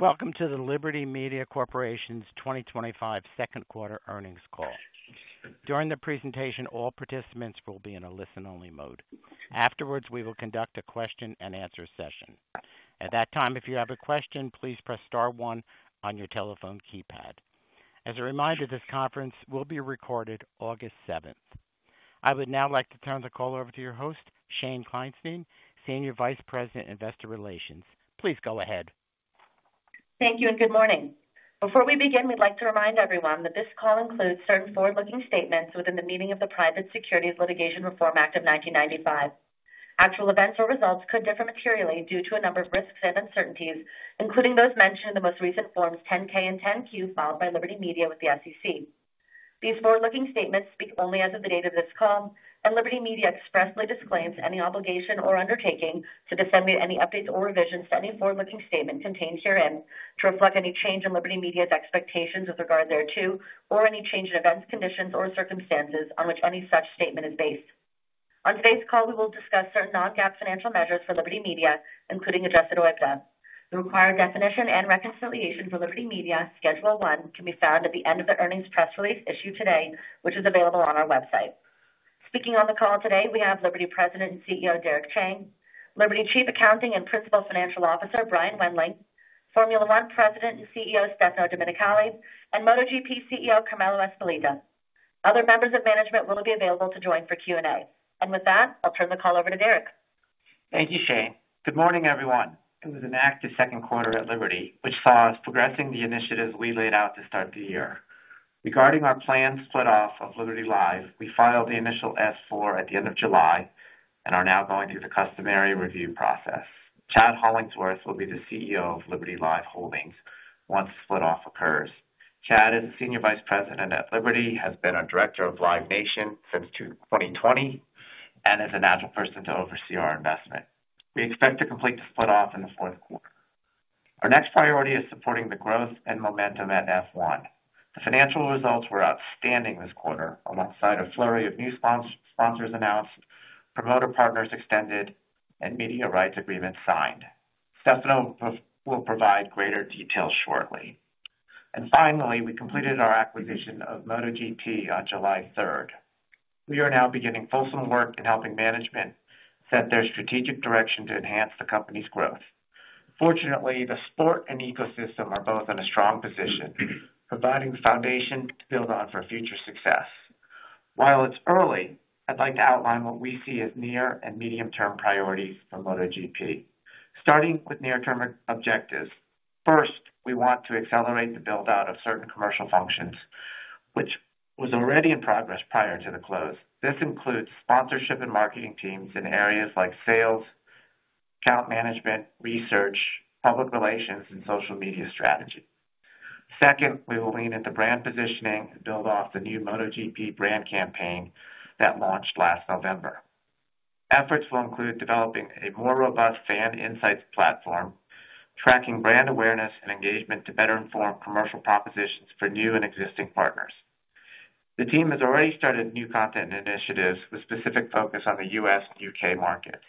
Welcome to the Liberty Media Corporation's 2025 second quarter earnings call. During the presentation, all participants will be in a listen-only mode. Afterwards, we will conduct a question and answer session. At that time, if you have a question, please press star one on your telephone keypad. As a reminder, this conference will be recorded August 7th. I would now like to turn the call over to your host, Shane Kleinstein, Senior Vice President, Investor Relations. Please go ahead. Thank you and good morning. Before we begin, we'd like to remind everyone that this call includes certain forward-looking statements within the meaning of the Private Securities Litigation Reform Act of 1995. Actual events or results could differ materially due to a number of risks and uncertainties, including those mentioned in the most recent Forms 10-K and Form 10-Q filed by Liberty Media with the SEC. These forward-looking statements speak only as of the date of this call, and Liberty Media expressly disclaims any obligation or undertaking to update or revise any forward-looking statement contained herein to reflect any change in Liberty Media's expectations with regard thereto or any change in events, conditions, or circumstances on which any such statement is based. On today's call, we will discuss certain non-GAAP financial measures for Liberty Media, including adjusted EBITDA, the required definition and reconciliation for Liberty Media. Schedule 1 can be found at the end of the earnings press release issued today, which is available on our website. Speaking on the call today, we have Liberty President and CEO Derek Chang, Liberty Chief Accounting and Principal Financial Officer Brian Wendling, Formula One President and CEO Stefano Domenicali, and MotoGP CEO Carmelo Ezpeleta. Other members of management will be available to join for Q&A. With that, I'll turn the call over to Derek. Thank you, Shane. Good morning, everyone. It was an active second quarter at Liberty, which saw us progressing the initiatives we laid out to start the year. Regarding our planned split-off of Liberty Live, we filed the initial S-4 at the end of July and are now going through the customary review process. Chad Hollingsworth will be the CEO of Liberty Live Holdings once the split-off occurs. Chad is a Senior Vice President at Liberty, has been our Director of Live Nation since 2020, and is a natural person to oversee our investment. We expect to complete the split-off in the fourth quarter. Our next priority is supporting the growth and momentum at F1. The financial results were outstanding this quarter, alongside a flurry of new sponsors announced, promoter partners extended, and media rights agreements signed. Stefano will provide greater details shortly. Finally, we completed our acquisition of MotoGP on July 3rd. We are now beginning fulsome work in helping management set their strategic direction to enhance the company's growth. Fortunately, the sport and ecosystem are both in a strong position, providing the foundation to build on for future success. While it's early, I'd like to outline what we see as near and medium-term priorities for MotoGP, starting with near-term objectives. First, we want to accelerate the build-out of certain commercial functions, which was already in progress prior to the close. This includes sponsorship and marketing teams in areas like sales, account management, research, public relations, and social media strategy. Second, we will lean into brand positioning to build off the new MotoGP brand campaign that launched last November. Efforts will include developing a more robust fan insights platform, tracking brand awareness and engagement to better inform commercial propositions for new and existing partners. The team has already started new content initiatives with specific focus on the U.S. and U.K. markets.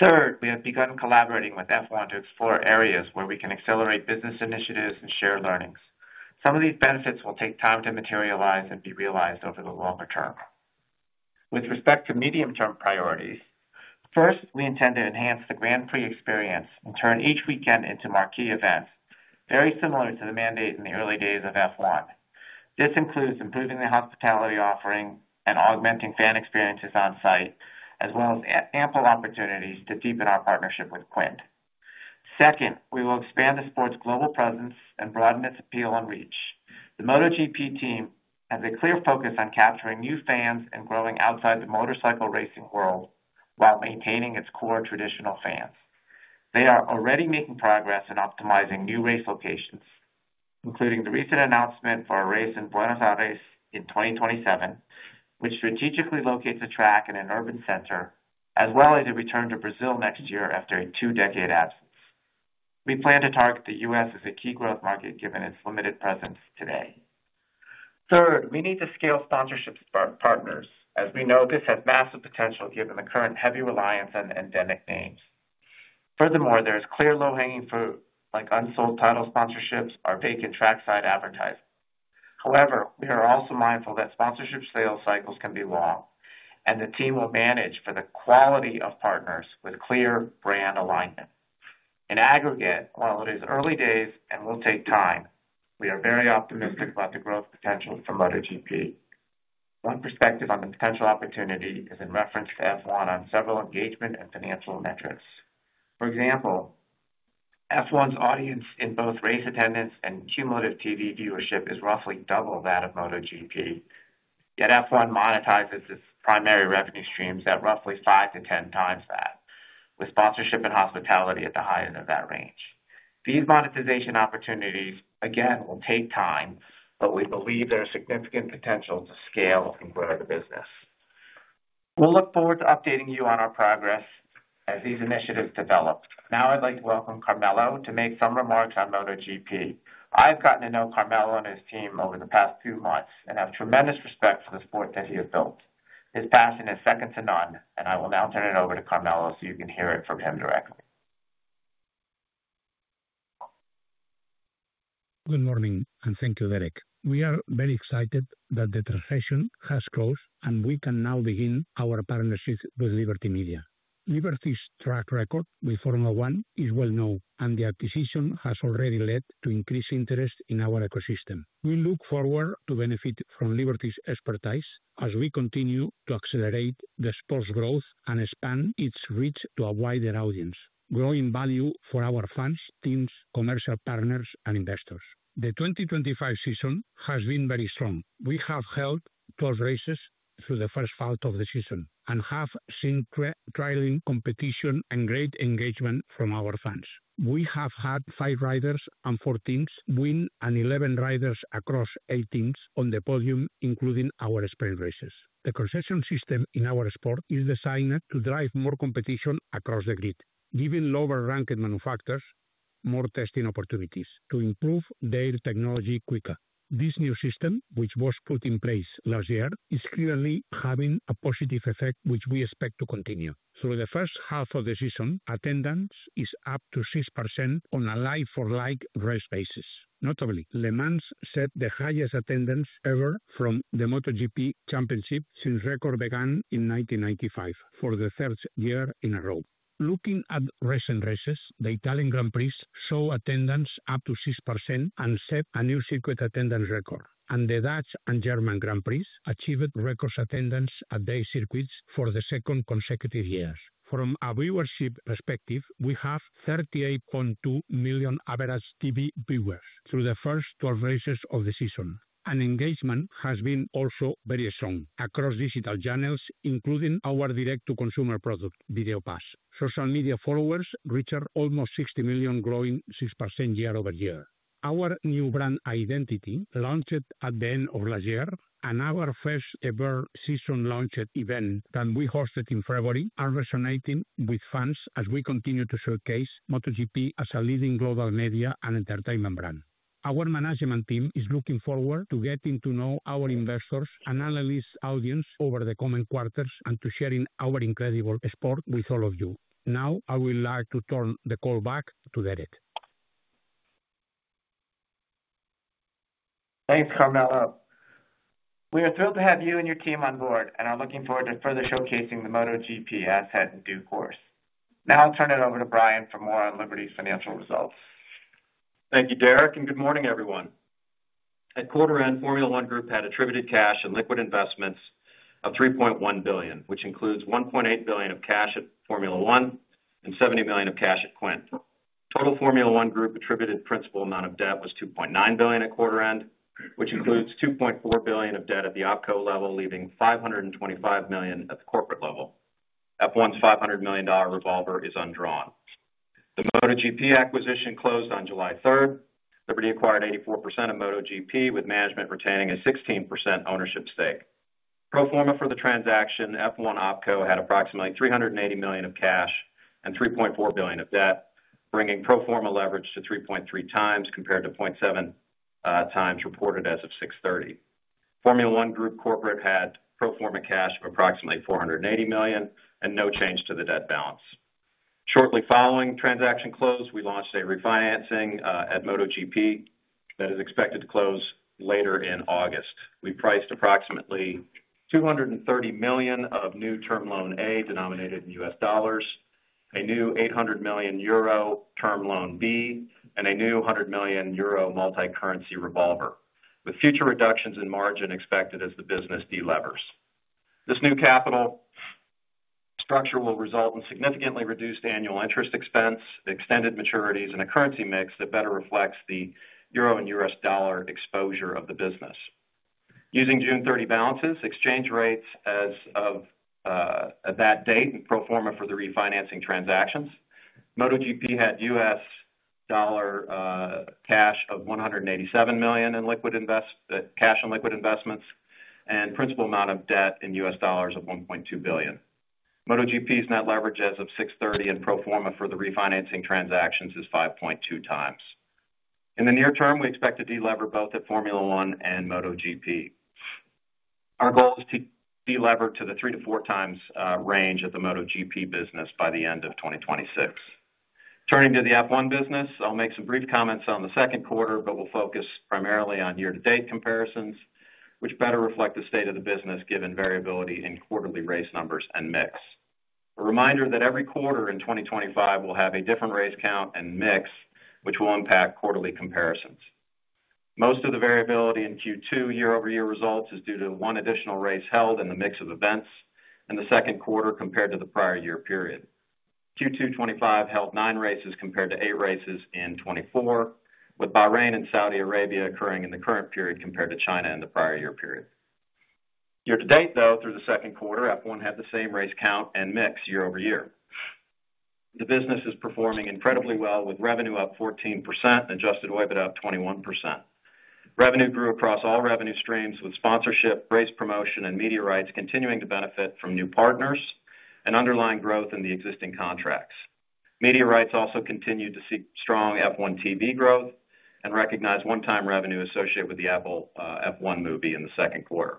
Third, we have begun collaborating with F1 to explore areas where we can accelerate business initiatives and share learnings. Some of these benefits will take time to materialize and be realized over the longer term. With respect to medium-term priorities, first, we intend to enhance the Grand Prix experience and turn each weekend into marquee events, very similar to the mandate in the early days of F1. This includes improving the hospitality offering and augmenting fan experiences on site, as well as ample opportunities to deepen our partnership with Quint. Second, we will expand the sport's global presence and broaden its appeal and reach. The MotoGP team has a clear focus on capturing new fans and growing outside the motorcycle racing world while maintaining its core traditional fans. They are already making progress in optimizing new race locations, including the recent announcement for a race in Buenos Aires in 2027, which strategically locates a track in an urban center, as well as a return to Brazil next year after a two-decade absence. We plan to target the U.S. as a key growth market given its limited presence today. Third, we need to scale sponsorship partners. As we know, this has massive potential given the current heavy reliance on endemic names. Furthermore, there's clear low-hanging fruit, like unsold title sponsorships or vacant trackside advertising. However, we are also mindful that sponsorship sales cycles can be long, and the team will manage for the quality of partners with clear brand alignment. In aggregate, while it is early days and will take time, we are very optimistic about the growth potential for MotoGP. One perspective on the potential opportunity is in reference to F1 on several engagement and financial metrics. For example, F1's audience in both race attendance and cumulative TV viewership is roughly double that of MotoGP. Yet F1 monetizes its primary revenue streams at roughly five to ten times that, with sponsorship and hospitality at the high end of that range. These monetization opportunities, again, will take time, but we believe there is significant potential to scale and grow the business. We'll look forward to updating you on our progress as these initiatives develop. Now I'd like to welcome Carmelo to make some remarks on MotoGP. I've gotten to know Carmelo and his team over the past two months and have tremendous respect for the sport that he has built. His passion is second to none, and I will now turn it over to Carmelo so you can hear it from him directly. Good morning and thank you, Derek. We are very excited that the transition has closed and we can now begin our partnership with Liberty Media. Liberty's track record with Formula One is well known, and the acquisition has already led to increased interest in our ecosystem. We look forward to benefiting from Liberty's expertise as we continue to accelerate the sport's growth and expand its reach to a wider audience, growing value for our fans, teams, commercial partners, and investors. The 2025 season has been very strong. We have held 12 races through the first half of the season and have seen thrilling competition and great engagement from our fans. We have had five riders on four teams win and 11 riders across eight teams on the podium, including our Sprint races. The concession system in our sport is designed to drive more competition across the grid, giving lower-ranked manufacturers more testing opportunities to improve their technology quicker. This new system, which was put in place last year, is clearly having a positive effect, which we expect to continue. Through the first half of the season, attendance is up to 6% on a live-for-life race basis. Notably, Le Mans set the highest attendance ever from the MotoGP Championship since records began in 1995 for the third year in a row. Looking at recent races, the Italian Grand Prix showed attendance up to 6% and set a new circuit attendance record. The Dutch and German Grand Prix achieved record attendance at their circuits for the second consecutive year. From a viewership perspective, we have 38.2 million average TV viewers through the first 12 races of the season. Engagement has been also very strong across digital channels, including our direct-to-consumer product, Video Pass. Social media followers reached almost 60 million, growing 6% year-over-year. Our new brand identity launched at the end of last year, and our first-ever season launch event that we hosted in February is resonating with fans as we continue to showcase MotoGP as a leading global media and entertainment brand. Our management team is looking forward to getting to know our investors and analysts' audience over the coming quarters and to share our incredible sport with all of you. Now, I would like to turn the call back to Derek. Thanks, Carmelo. We are thrilled to have you and your team on board and are looking forward to further showcasing the MotoGP asset in due course. Now I'll turn it over to Brian for more on Liberty's financial results. Thank you, Derek, and good morning, everyone. At quarter-end, Formula One Group had attributed cash and liquid investments of $3.1 billion, which includes $1.8 billion of cash at Formula One and $70 million of cash at Quint. Total Formula One Group attributed principal amount of debt was $2.9 billion at quarter-end, which includes $2.4 billion of debt at the opco level, leaving $525 million at the corporate level. F1's $500 million revolver is undrawn. The MotoGP acquisition closed on July 3rd. Liberty acquired 84% of MotoGP, with management retaining a 16% ownership stake. Pro forma for the transaction, F1 opco had approximately $380 million of cash and $3.4 billion of debt, bringing pro forma leverage to 3.3x compared to 0.7x reported as of 6/30. Formula One Group corporate had pro forma cash of approximately $480 million and no change to the debt balance. Shortly following transaction close, we launched a refinancing at MotoGP that is expected to close later in August. We priced approximately $230 million of new Term Loan A denominated in US dollars, a new 800 million euro Term Loan B, and a new 100 million euro multi-currency revolver, with future reductions in margin expected as the business delevers. This new capital structure will result in significantly reduced annual interest expense, extended maturities, and a currency mix that better reflects the euro and US dollar exposure of the business. Using June 30 balances, exchange rates as of that date, and pro forma for the refinancing transactions, MotoGP had US dollar cash of $187 million in cash and liquid investments and principal amount of debt in US dollars of $1.2 billion. MotoGP's net leverage as of 6/30 and pro forma for the refinancing transactions is 5.2x. In the near term, we expect to delever both at Formula One and MotoGP. Our goal is to delever to the 3x-4x range at the MotoGP business by the end of 2026. Turning to the F1 business, I'll make some brief comments on the second quarter, but we'll focus primarily on year-to-date comparisons, which better reflect the state of the business given variability in quarterly race numbers and mix. A reminder that every quarter in 2025 will have a different race count and mix, which will impact quarterly comparisons. Most of the variability in Q2 year-over-year results is due to one additional race held in the mix of events in the second quarter compared to the prior year period. Q2 2025 held nine races compared to eight races in 2024, with Bahrain and Saudi Arabia occurring in the current period compared to China in the prior year period. Year-to-date, though, through the second quarter, F1 had the same race count and mix year-over-year. The business is performing incredibly well, with revenue up 14% and adjusted EBITDA up 21%. Revenue grew across all revenue streams, with sponsorship, race promotion, and media rights continuing to benefit from new partners and underlying growth in the existing contracts. Media rights also continued to see strong F1 TV growth and recognize one-time revenue associated with the Apple F1 movie in the second quarter.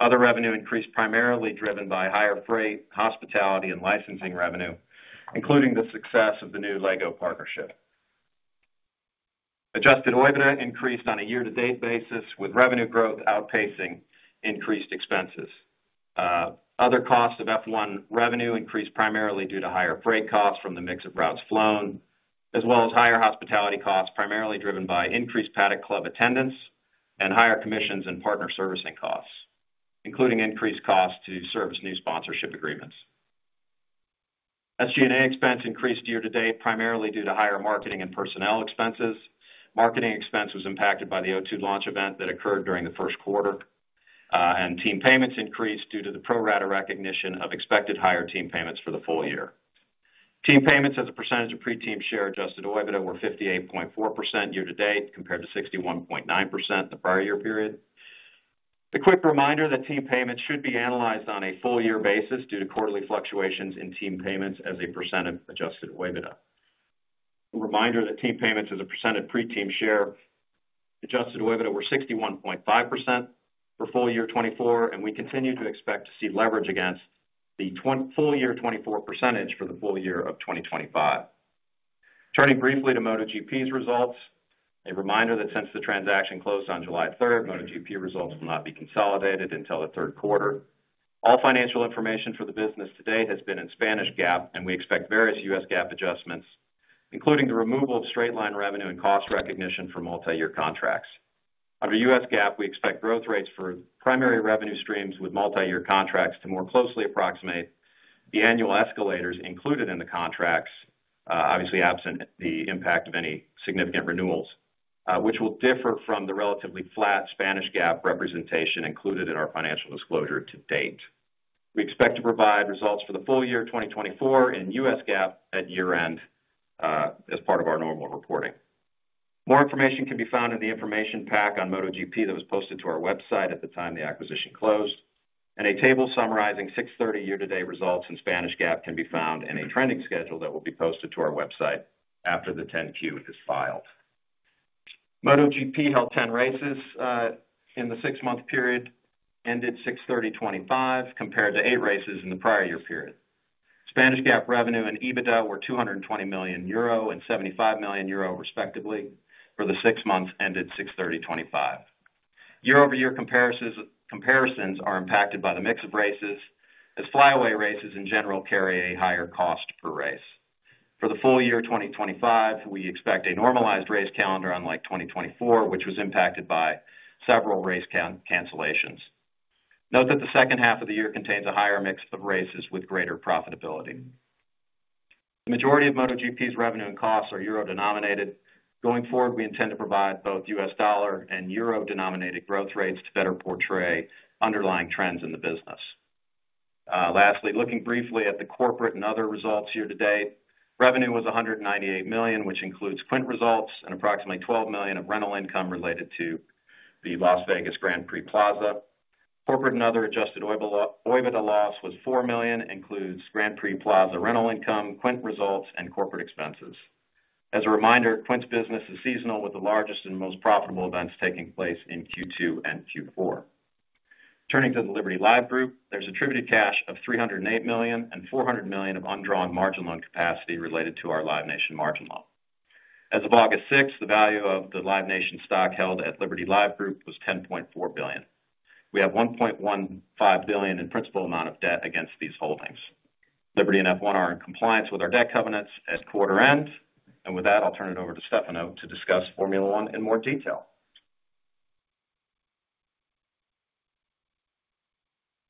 Other revenue increased primarily driven by higher freight, hospitality, and licensing revenue, including the success of the new LEGO partnership. Adjusted EBITDA increased on a year-to-date basis, with revenue growth outpacing increased expenses. Other costs of F1 revenue increased primarily due to higher freight costs from the mix of routes flown, as well as higher hospitality costs primarily driven by increased Paddock Club attendance and higher commissions and partner servicing costs, including increased costs to service new sponsorship agreements. SG&A expense increased year-to-date primarily due to higher marketing and personnel expenses. Marketing expense was impacted by the O2 launch event that occurred during the first quarter, and team payments increased due to the pro rata recognition of expected higher team payments for the full year. Team payments as a percentage of pre-team share adjusted EBITDA were 58.4% year-to-date compared to 61.9% in the prior year period. A quick reminder that team payments should be analyzed on a full-year basis due to quarterly fluctuations in team payments as a percent of adjusted EBITDA. A reminder that team payments as a percent of pre-team share adjusted EBITDA were 61.5% for full year 2024, and we continue to expect to see leverage against the full year 24% for the full year of 2025. Turning briefly to MotoGP's results, a reminder that since the transaction closed on July 3rd, MotoGP results will not be consolidated until the third quarter. All financial information for the business to date has been in Spanish GAAP, and we expect various U.S. GAAP adjustments, including the removal of straight line revenue and cost recognition for multi-year contracts. Under U.S. GAAP, we expect growth rates for primary revenue streams with multi-year contracts to more closely approximate the annual escalators included in the contracts, obviously absent the impact of any significant renewals, which will differ from the relatively flat Spanish GAAP representation included in our financial disclosure to date. We expect to provide results for the full year 2024 in U.S. GAAP at year end as part of our normal reporting. More information can be found in the information pack on MotoGP that was posted to our website at the time the acquisition closed, and a table summarizing 6/30 year-to-date results in Spanish GAAP can be found in a trending schedule that will be posted to our website after the Form 10-Q is filed. MotoGP held 10 races in the six-month period ended 6/30/2025, compared to eight races in the prior year period. Spanish GAAP revenue and EBITDA were 220 million euro and 75 million euro, respectively, for the six months ended 6/30/2025. Year-over-year comparisons are impacted by the mix of races, as flyaway races in general carry a higher cost per race. For the full year 2025, we expect a normalized race calendar, unlike 2024, which was impacted by several race cancellations. Note that the second half of the year contains a higher mix of races with greater profitability. The majority of MotoGP's revenue and costs are euro denominated. Going forward, we intend to provide both US dollar and euro denominated growth rates to better portray underlying trends in the business. Lastly, looking briefly at the corporate and other results year-to-date, revenue was $198 million, which includes Quint results and approximately $12 million of rental income related to the Las Vegas Grand Prix Plaza. Corporate and other adjusted EBITDA loss was $4 million, includes Grand Prix Plaza rental income, Quint results, and corporate expenses. As a reminder, Quint's business is seasonal, with the largest and most profitable events taking place in Q2 and Q4. Turning to the Liberty Live Group, there's attributed cash of $308 million and $400 million of undrawn margin on capacity related to our Live Nation margin model. As of August 6, the value of the Live Nation stock held at Liberty Live Group was $10.4 billion. We have $1.15 billion in principal amount of debt against these holdings. Liberty and F1 are in compliance with our debt covenants at quarter end, and with that, I'll turn it over to Stefano to discuss Formula One in more detail.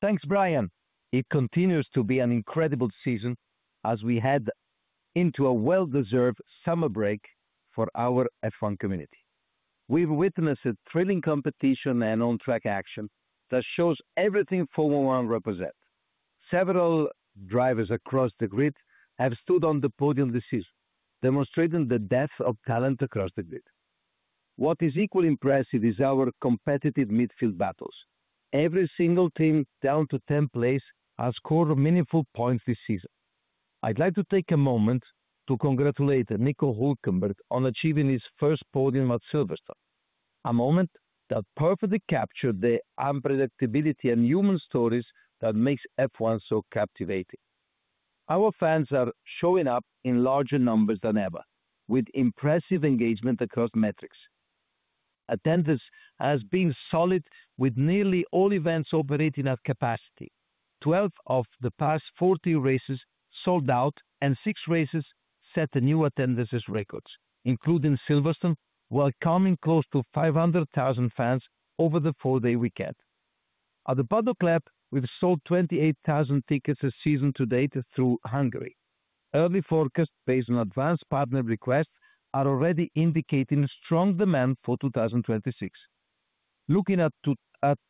Thanks, Brian. It continues to be an incredible season as we head into a well-deserved summer break for our F1 community. We've witnessed a thrilling competition and on-track action that shows everything Formula One represents. Several drivers across the grid have stood on the podium this season, demonstrating the depth of talent across the grid. What is equally impressive is our competitive midfield battles. Every single team down to 10th place has scored meaningful points this season. I'd like to take a moment to congratulate Nico Hülkenberg on achieving his first podium at Silverstone, a moment that perfectly captured the unpredictability and human stories that make F1 so captivating. Our fans are showing up in larger numbers than ever, with impressive engagement across metrics. Attendance has been solid, with nearly all events operating at capacity. 12 of the past 14 races sold out, and six races set new attendance records, including Silverstone, while coming close to 500,000 fans over the four-day weekend. At the Paddock Club, we've sold 28,000 tickets this season to date through Hungary. Early forecasts based on advanced partner requests are already indicating strong demand for 2026. Looking at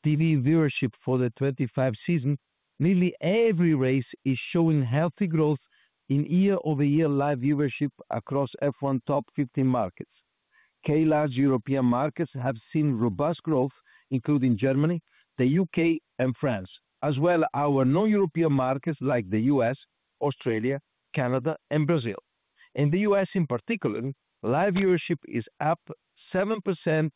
TV viewership for the 2025 season, nearly every race is showing healthy growth in year-over-year live viewership across F1 top 15 markets. Key large European markets have seen robust growth, including Germany, the U.K., and France, as well as our non-European markets like the US, Australia, Canada, and Brazil. In the U.S. in particular, live viewership is up 7%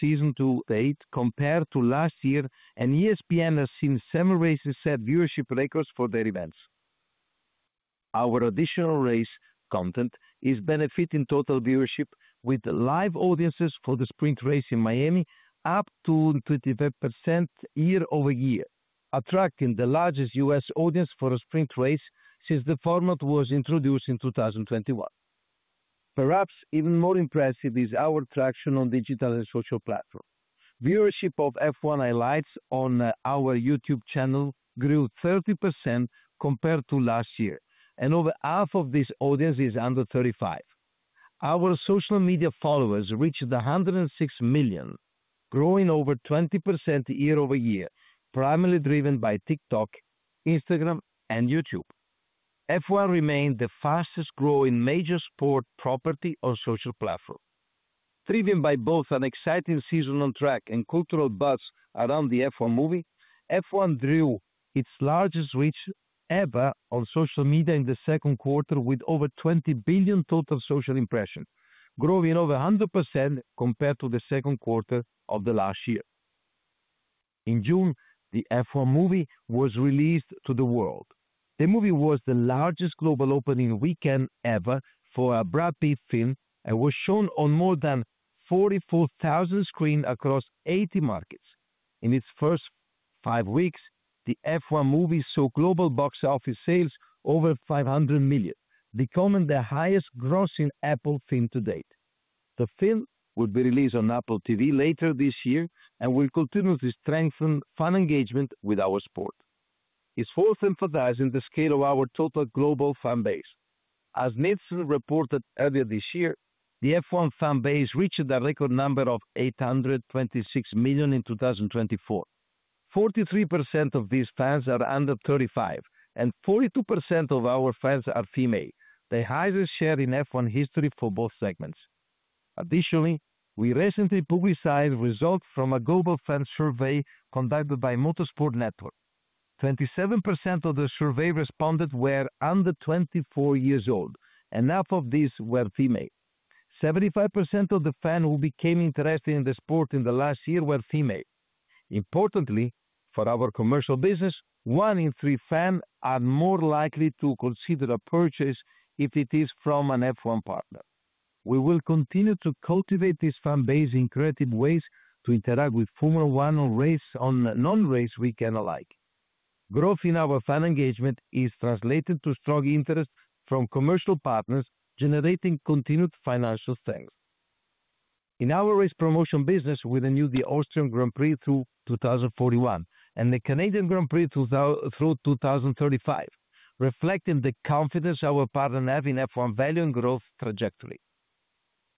season to date compared to last year, and ESPN has seen seven races set viewership records for their events. Our additional race content is benefiting total viewership with live audiences for the sprint race in Miami up to 25% year-over-year, attracting the largest U.S. audience for a sprint race since the format was introduced in 2021. Perhaps even more impressive is our traction on digital and social platforms. Viewership of F1 highlights on our YouTube channel grew 30% compared to last year, and over half of this audience is under 35. Our social media followers reached 106 million, growing over 20% year-over-year, primarily driven by TikTok, Instagram, and YouTube. F1 remained the fastest growing major sport property on social platforms. Driven by both an exciting season on track and cultural buzz around the F1 movie, F1 drew its largest reach ever on social media in the second quarter, with over 20 billion total social impressions, growing over 100% compared to the second quarter of last year. In June, the F1 movie was released to the world. The movie was the largest global opening weekend ever for a Brad Pitt film and was shown on more than 44,000 screens across 80 markets. In its first five weeks, the F1 movie saw global box office sales over $500 million, becoming the highest grossing Apple film to date. The film will be released on Apple TV later this year and will continue to strengthen fan engagement with our sport. It's worth emphasizing the scale of our total global fan base. As Nielsen reported earlier this year, the F1 fan base reached a record number of 826 million in 2024. 43% of these fans are under 35, and 42% of our fans are female, the highest share in F1 history for both segments. Additionally, we recently publicized results from a global fan survey conducted by Motorsport Network. 27% of the survey respondents were under 24 years old, and half of these were female. 75% of the fans who became interested in the sport in the last year were female. Importantly, for our commercial business, one in three fans are more likely to consider a purchase if it is from a F1 partner. We will continue to cultivate this fan base in creative ways to interact with Formula One on non-race weekends alike. Growth in our fan engagement is translated to strong interest from commercial partners, generating continued financial strength. In our race promotion business, we renewed the Austrian Grand Prix through 2041 and the Canadian Grand Prix through 2035, reflecting the confidence our partners have in F1 value and growth trajectory.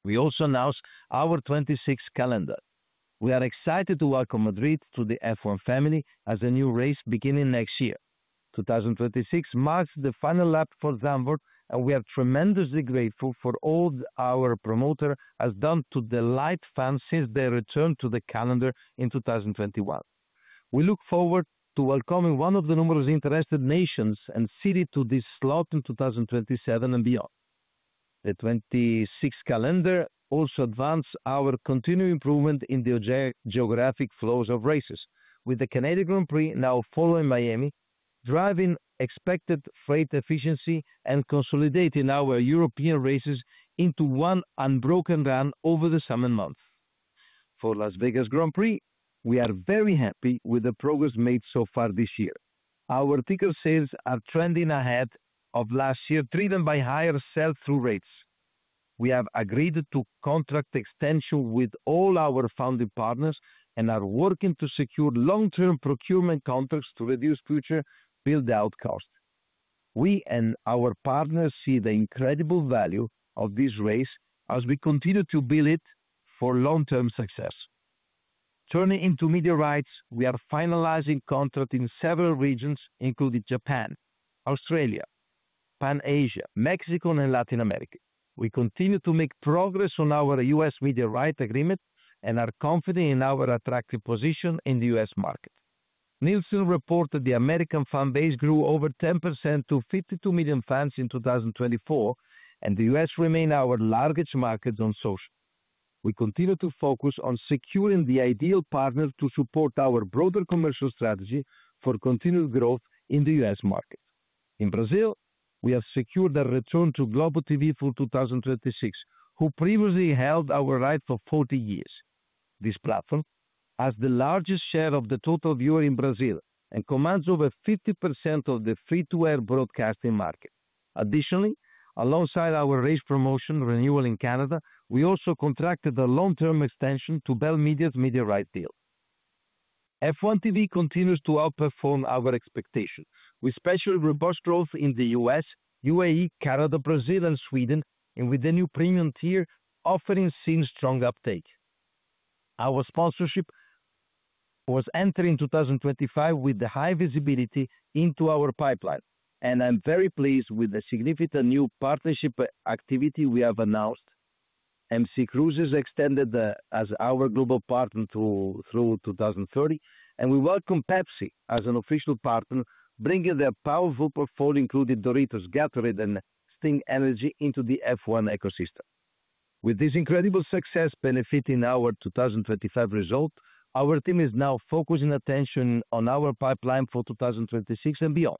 We also announced our 2026 calendar. We are excited to welcome Madrid to the Formula One family as a new race beginning next year. 2026 marks the final lap for Zandvoort, and we are tremendously grateful for all our promoters have done to delight fans since their return to the calendar in 2021. We look forward to welcoming one of the numerous interested nations and cities to this slot in 2027 and beyond. The 2026 calendar also advances our continued improvement in the geographic flows of races, with the Canadian Prix now following Miami, driving expected freight efficiency and consolidating our European races into one unbroken run over the summer months. For Las Vegas Grand Prix, we are very happy with the progress made so far this year. Our ticket sales are trending ahead of last year, driven by higher sell-through rates. We have agreed to contract extensions with all our founding partners and are working to secure long-term procurement contracts to reduce future build-out costs. We and our partners see the incredible value of this race as we continue to build it for long-term success. Turning into media rights, we are finalizing contracts in several regions, including Japan, Australia, Pan-Asia, Mexico, and Latin America. We continue to make progress on our U.S. media rights agreement and are confident in our attractive position in the U.S. market. Nielsen reported the American fan base grew over 10% to 52 million fans in 2024, and the U.S. remains our largest market on social. We continue to focus on securing the ideal partners to support our broader commercial strategy for continued growth in the U.S. market. In Brazil, we have secured a return to Globo TV for 2026, who previously held our rights for 40 years. This platform has the largest share of the total viewers in Brazil and commands over 50% of the free-to-air broadcasting market. Additionally, alongside our race promotion renewal in Canada, we also contracted a long-term extension to Bell Media's media rights deal. F1 TV continues to outperform our expectations, with especially robust growth in the U.S., UAE, Canada, Brazil, and Sweden, and with the new premium tier offering seeing strong uptake. Our sponsorship was entering 2025 with high visibility into our pipeline, and I'm very pleased with the significant new partnership activity we have announced. MSC Cruises extended as our global partner through 2030, and we welcome Pepsi as an official partner, bringing their powerful portfolio, including Doritos, Gatorade, and Sting Energy, into the F1 ecosystem. With this incredible success benefiting our 2025 result, our team is now focusing attention on our pipeline for 2026 and beyond.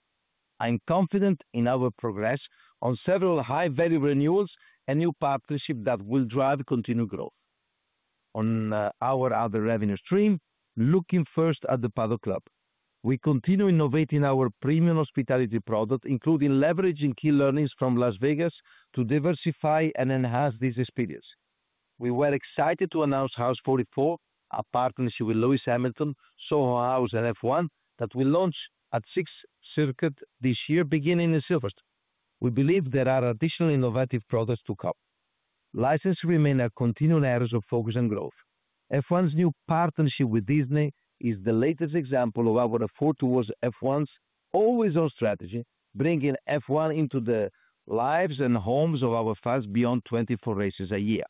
I'm confident in our progress on several high-value renewals and new partnerships that will drive continued growth. On our other revenue stream, looking first at the Paddock Club, we continue innovating our premium hospitality product, including leveraging key learnings from Las Vegas to diversify and enhance this experience. We were excited to announce House 44, a partnership with Lewis Hamilton, Soho House, and F1 that we launched at six circuits this year, beginning in Silverstone. We believe there are additional innovative products to come. Licenses remain a continuing area of focus and growth. F1's new partnership with Disney is the latest example of our effort towards F1's always-on strategy, bringing F1 into the lives and homes of our fans beyond 24 races a year.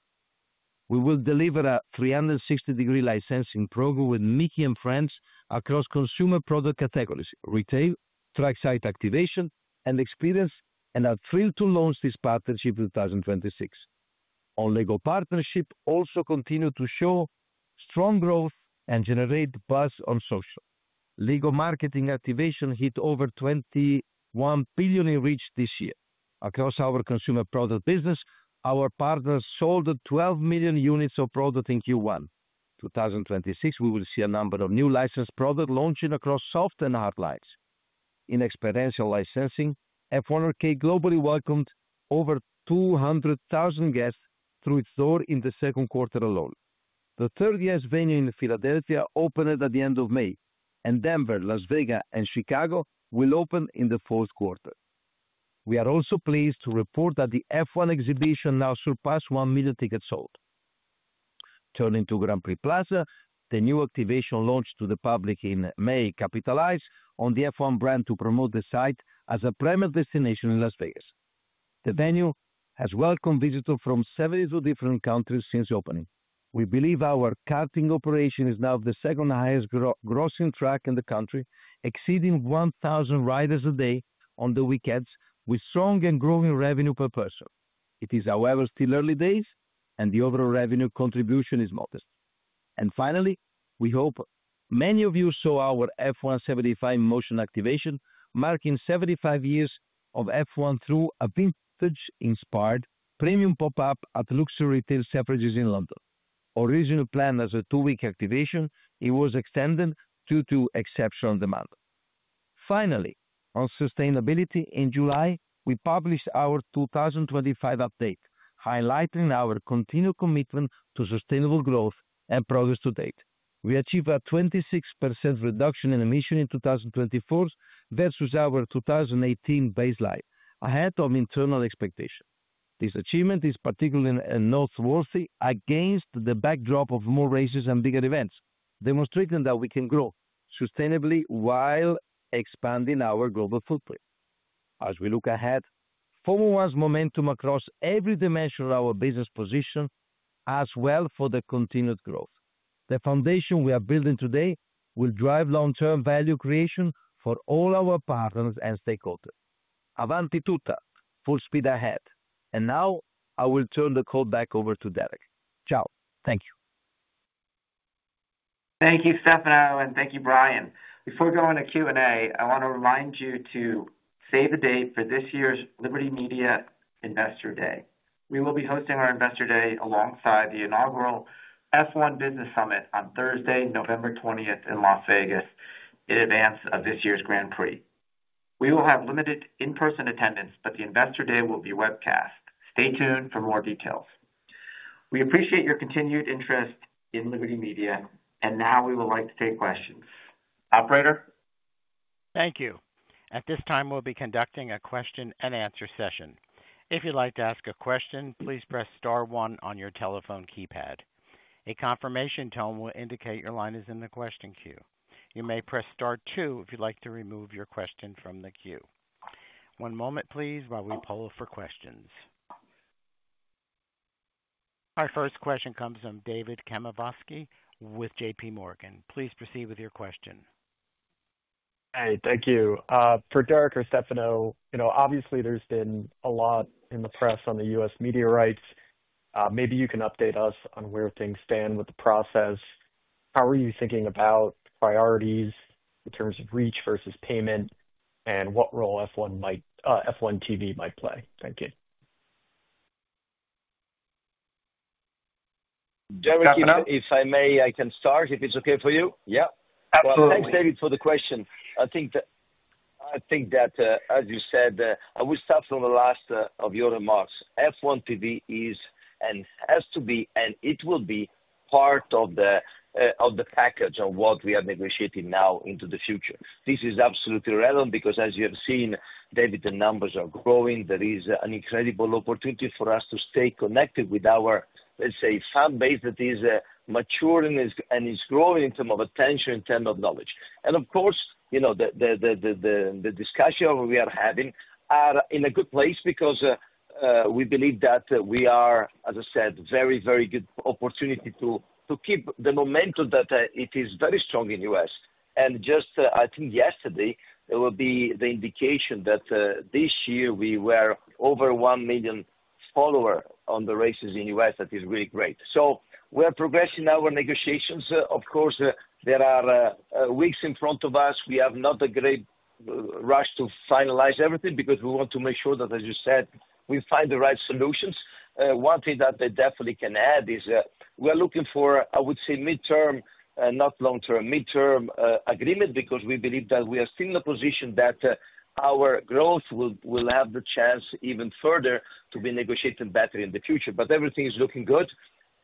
We will deliver a 360-degree licensing program with Mickey & Friends across consumer product categories, retail, tracksite activation, and experience, and are thrilled to launch this partnership in 2026. Our LEGO partnership also continues to show strong growth and generate buzz on social. LEGO marketing activation hit over 21 billion in reach this year. Across our consumer product business, our partners sold 12 million units of product in Q1. In 2026, we will see a number of new licensed products launching across soft and hard lines. In experiential licensing, F1 Arcade globally welcomed over 200,000 guests through its door in the second quarter alone. The third guest venue in Philadelphia opened at the end of May, and Denver, Las Vegas, and Chicago will open in the fourth quarter. We are also pleased to report that the F1 exhibition now surpassed 1 million tickets sold. Turning to Grand Prix Plaza, the new activation launched to the public in May capitalized on the F1 brand to promote the site as a premier destination in Las Vegas. The venue has welcomed visitors from 72 different countries since opening. We believe our karting operation is now the second highest grossing track in the country, exceeding 1,000 riders a day on the weekends, with strong and growing revenue per person. It is, however, still early days, and the overall revenue contribution is modest. Finally, we hope many of you saw our F1 75 motion activation, marking 75 years of F1 through a vintage-inspired premium pop-up at luxury retail Selfridges in London. Originally planned as a two-week activation, it was extended due to exceptional demand. Finally, on sustainability, in July, we published our 2025 update, highlighting our continued commitment to sustainable growth and progress to date. We achieved a 26% reduction in emissions in 2024 versus our 2018 baseline, ahead of internal expectations. This achievement is particularly noteworthy against the backdrop of more races and bigger events, demonstrating that we can grow sustainably while expanding our global footprint. As we look ahead, Formula One's momentum across every dimension of our business positions us well for the continued growth. The foundation we are building today will drive long-term value creation for all our partners and stakeholders. Avanti tutta, full speed ahead. I will turn the call back over to Derek. Ciao. Thank you. Thank you, Stefano, and thank you, Brian. Before going to Q&A, I want to remind you to save the date for this year's Liberty Media Investor Day. We will be hosting our Investor Day alongside the inaugural F1 Business Summit on Thursday, November 20th in Las Vegas, in advance of this year's Grand Prix. We will have limited in-person attendance, but the Investor Day will be webcast. Stay tuned for more details. We appreciate your continued interest in Liberty Media, and now we would like to take questions. Operator? Thank you. At this time, we'll be conducting a question and answer session. If you'd like to ask a question, please press star one on your telephone keypad. A confirmation tone will indicate your line is in the question queue. You may press star two if you'd like to remove your question from the queue. One moment, please, while we poll for questions. Our first question comes from David Karnovsky with JPMorgan. Please proceed with your question. Hey, thank you. For Derek or Stefano, you know, obviously there's been a lot in the press on the U.S. media rights. Maybe you can update us on where things stand with the process. How are you thinking about priorities in terms of reach versus payment, and what role F1 TV might play? Thank you. Derek, if I may, I can start if it's okay for you. Yeah. Thanks, David, for the question. I think that, as you said, I will start from the last of your remarks. F1 TV is and has to be, and it will be part of the package of what we are negotiating now into the future. This is absolutely relevant because, as you have seen, David, the numbers are growing. There is an incredible opportunity for us to stay connected with our, let's say, fan base that is mature and is growing in terms of attention, in terms of knowledge. Of course, you know, the discussions we are having are in a good place because we believe that we are, as I said, a very, very good opportunity to keep the momentum that it is very strong in the U.S. Just, I think yesterday, there will be the indication that this year we were over 1 million followers on the races in the U.S. That is really great. We are progressing our negotiations. Of course, there are weeks in front of us. We have not a great rush to finalize everything because we want to make sure that, as you said, we find the right solutions. One thing that I definitely can add is we are looking for, I would say, mid-term, not long-term, mid-term agreement because we believe that we are still in a position that our growth will have the chance even further to be negotiated better in the future. Everything is looking good,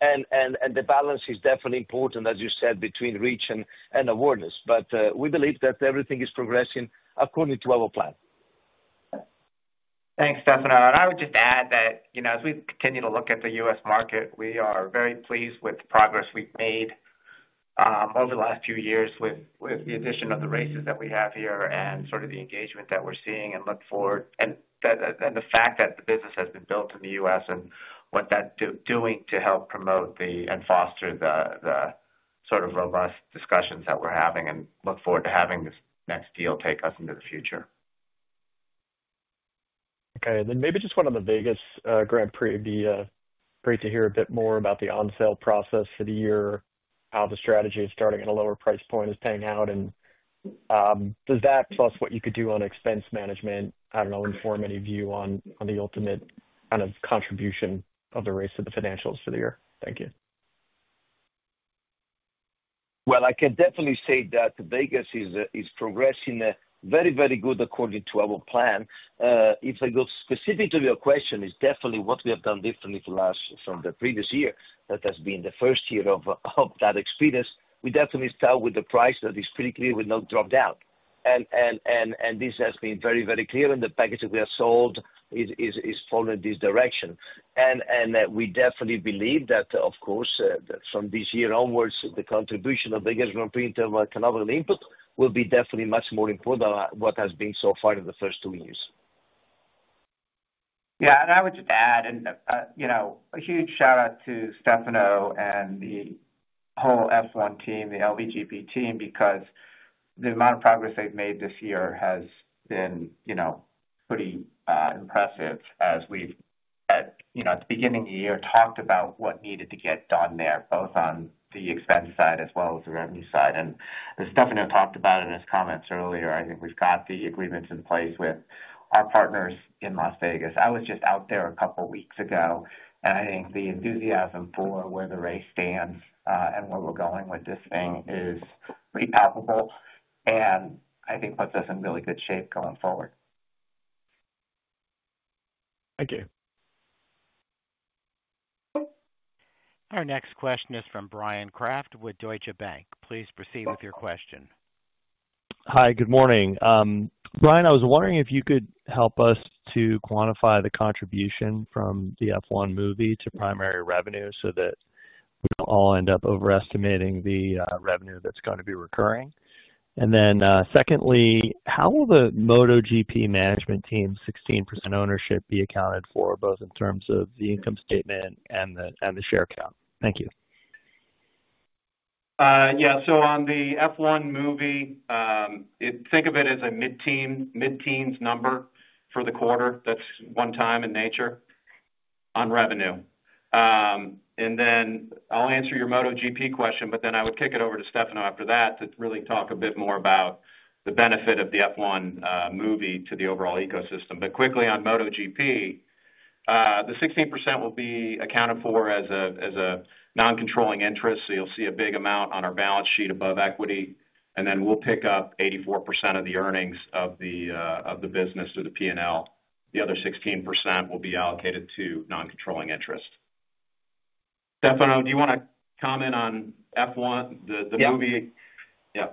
and the balance is definitely important, as you said, between reach and awareness. We believe that everything is progressing according to our plan. Thanks, Stefano. I would just add that, as we continue to look at the U.S. market, we are very pleased with the progress we've made over the last few years with the addition of the races that we have here, the engagement that we're seeing, and the fact that the business has been built in the U.S. and what that's doing to help promote and foster the robust discussions that we're having. We look forward to having this next deal take us into the future. Okay, and then maybe just one on the Vegas Grand Prix. It'd be great to hear a bit more about the on-sale process for the year, how the strategy is starting at a lower price point is paying out, and does that plus what you could do on expense management, I don't know, inform any view on the ultimate kind of contribution of the race to the financials for the year? Thank you. I can definitely say that Vegas is progressing very, very good according to our plan. If I go specific to your question, it's definitely what we have done differently from the previous year that has been the first year of that experience. We definitely start with the price that is pretty clear. We've not dropped out. This has been very, very clear, and the package that we have sold is following this direction. We definitely believe that, of course, from this year onwards, the contribution of Vegas Grand Prix in terms of our canonical input will be definitely much more important than what has been so far in the first two years. Yeah, I would just add, a huge shout out to Stefano and the whole F1 team, the LVGP team, because the amount of progress they've made this year has been pretty impressive as we, at the beginning of the year, talked about what needed to get done there, both on the expense side as well as the revenue side. As Stefano talked about in his comments earlier, I think we've got the agreements in place with our partners in Las Vegas. I was just out there a couple of weeks ago, and I think the enthusiasm for where the race stands and where we're going with this thing is pretty palpable, and I think puts us in really good shape going forward. Thank you. Our next question is from Brian Kraft with Deutsche Bank. Please proceed with your question. Hi, good morning. Brian, I was wondering if you could help us to quantify the contribution from the F1 movie to primary revenue so that we don't all end up overestimating the revenue that's going to be recurring. Secondly, how will the MotoGP management team's 16% ownership be accounted for, both in terms of the income statement and the share count? Thank you. Yeah, so on the F1 movie, think of it as a mid-teens number for the quarter. That's one-time in nature on revenue. I'll answer your MotoGP question, then I would kick it over to Stefano after that to really talk a bit more about the benefit of the F1 movie to the overall ecosystem. Quickly on MotoGP, the 16% will be accounted for as a non-controlling interest, so you'll see a big amount on our balance sheet above equity, and then we'll pick up 84% of the earnings of the business through the P&L. The other 16% will be allocated to non-controlling interest. Stefano, do you want to comment on F1, the movie? Yeah,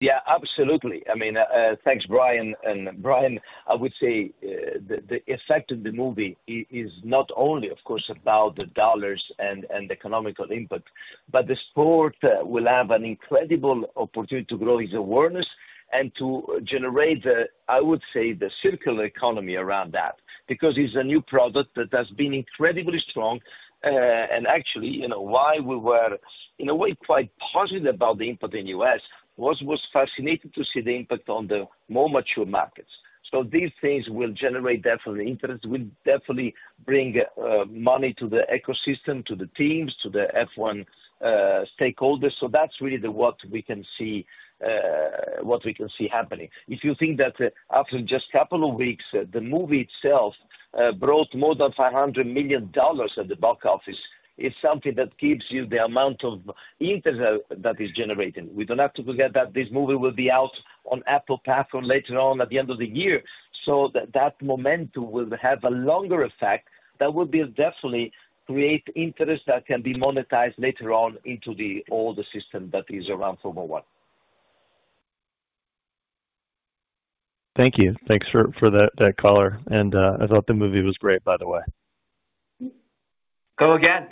yeah, absolutely. I mean, thanks, Brian. Brian, I would say the effect of the movie is not only, of course, about the dollars and the economic input, but the sport will have an incredible opportunity to grow its awareness and to generate, I would say, the circular economy around that because it's a new product that has been incredibly strong. Actually, you know, we were, in a way, quite positive about the input in the U.S. It was fascinating to see the impact on the more mature markets. These things will definitely generate interest and will definitely bring money to the ecosystem, to the teams, to the F1 stakeholders. That's really what we can see happening. If you think that after just a couple of weeks, the movie itself brought more than $500 million at the box office, it's something that gives you the amount of interest that it's generating. We don't have to forget that this movie will be out on the Apple platform later on at the end of the year. That momentum will have a longer effect that will definitely create interest that can be monetized later on into all the system that is around Formula One. Thank you. Thanks for that color. I thought the movie was great, by the way. Go again.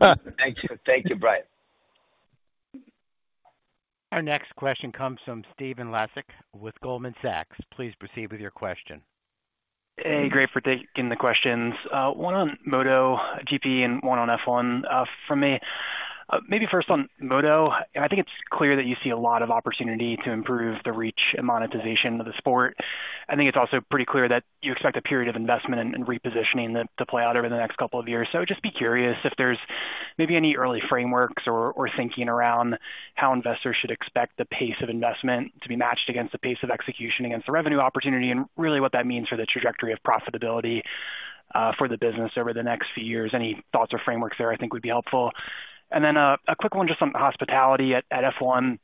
Thank you. Thank you, Brian. Our next question comes from Stephen Laszcyk with Goldman Sachs. Please proceed with your question. Hey, great for taking the questions. One on MotoGP and one on F1 from me. Maybe first on Moto, I think it's clear that you see a lot of opportunity to improve the reach and monetization of the sport. I think it's also pretty clear that you expect a period of investment and repositioning to play out over the next couple of years. I would just be curious if there's maybe any early frameworks or thinking around how investors should expect the pace of investment to be matched against the pace of execution against the revenue opportunity and really what that means for the trajectory of profitability for the business over the next few years. Any thoughts or frameworks there I think would be helpful. Then a quick one just on hospitality at F1.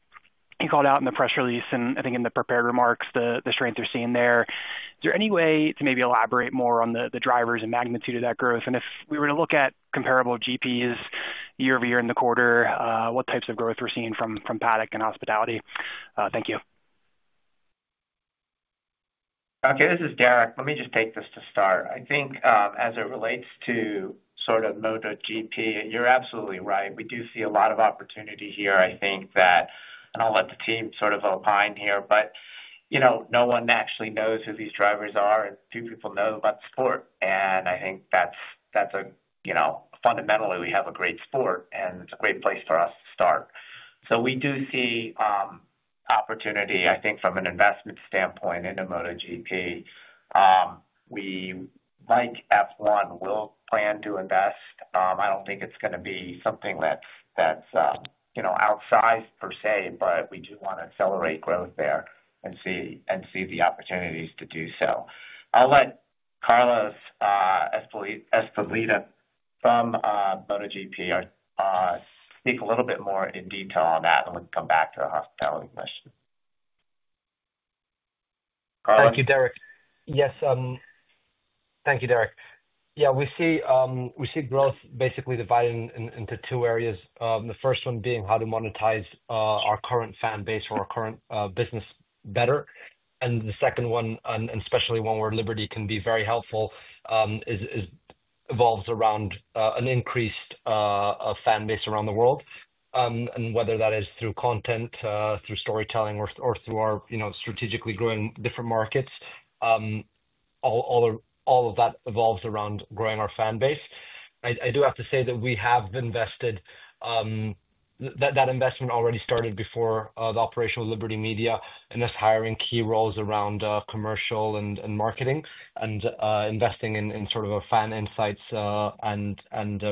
You called out in the press release and I think in the prepared remarks the strength you're seeing there. Is there any way to maybe elaborate more on the drivers and magnitude of that growth? If we were to look at comparable GPs year-over-year in the quarter, what types of growth we're seeing from paddock and hospitality? Thank you. Okay, this is Derek. Let me just take this to start. I think as it relates to sort of MotoGP, you're absolutely right. We do see a lot of opportunity here. I think that, and I'll let the team sort of opine here, but no one actually knows who these drivers are and few people know about the sport. I think fundamentally we have a great sport and it's a great place for us to start. We do see opportunity, I think, from an investment standpoint into MotoGP. We like F1, we'll plan to invest. I don't think it's going to be something that's outsized per se, but we do want to accelerate growth there and see the opportunities to do so. I'll let Carmelo Ezpeleta from MotoGP speak a little bit more in detail on that and we can come back to the hospitality question. Thank you, Derek. Yes, thank you, Derek. We see growth basically divided into two areas. The first one being how to monetize our current fan base or our current business better. The second one, especially when we're at Liberty, can be very helpful, evolves around an increased fan base around the world. Whether that is through content, through storytelling, or through our, you know, strategically growing different markets, all of that evolves around growing our fan base. I do have to say that we have invested, that investment already started before the operation of Liberty Media and us hiring key roles around commercial and marketing and investing in sort of our fan insights and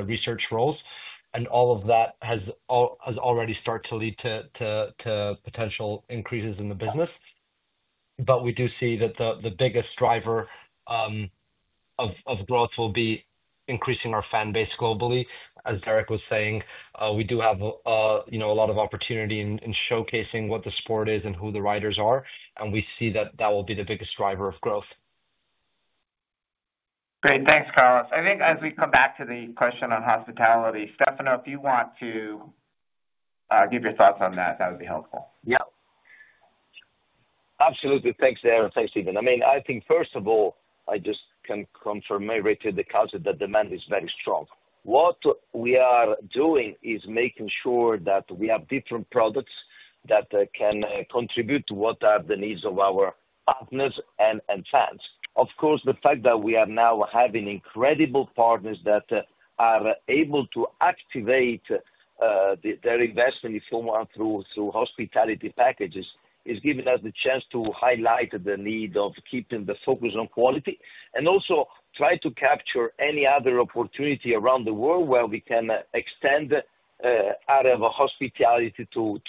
research roles. All of that has already started to lead to potential increases in the business. We do see that the biggest driver of growth will be increasing our fan base globally. As Derek was saying, we do have, you know, a lot of opportunity in showcasing what the sport is and who the riders are. We see that that will be the biggest driver of growth. Great, thanks, Carmelo. I think as we come back to the question on hospitality, Stefano, if you want to give your thoughts on that, that would be helpful. Yeah, absolutely. Thanks, Derek. Thanks, Stephen. I mean, I think first of all, I just can confirm, maybe to the culture, that demand is very strong. What we are doing is making sure that we have different products that can contribute to what are the needs of our partners and fans. Of course, the fact that we are now having incredible partners that are able to activate their investment in Formula One through hospitality packages is giving us the chance to highlight the need of keeping the focus on quality and also try to capture any other opportunity around the world where we can extend our hospitality to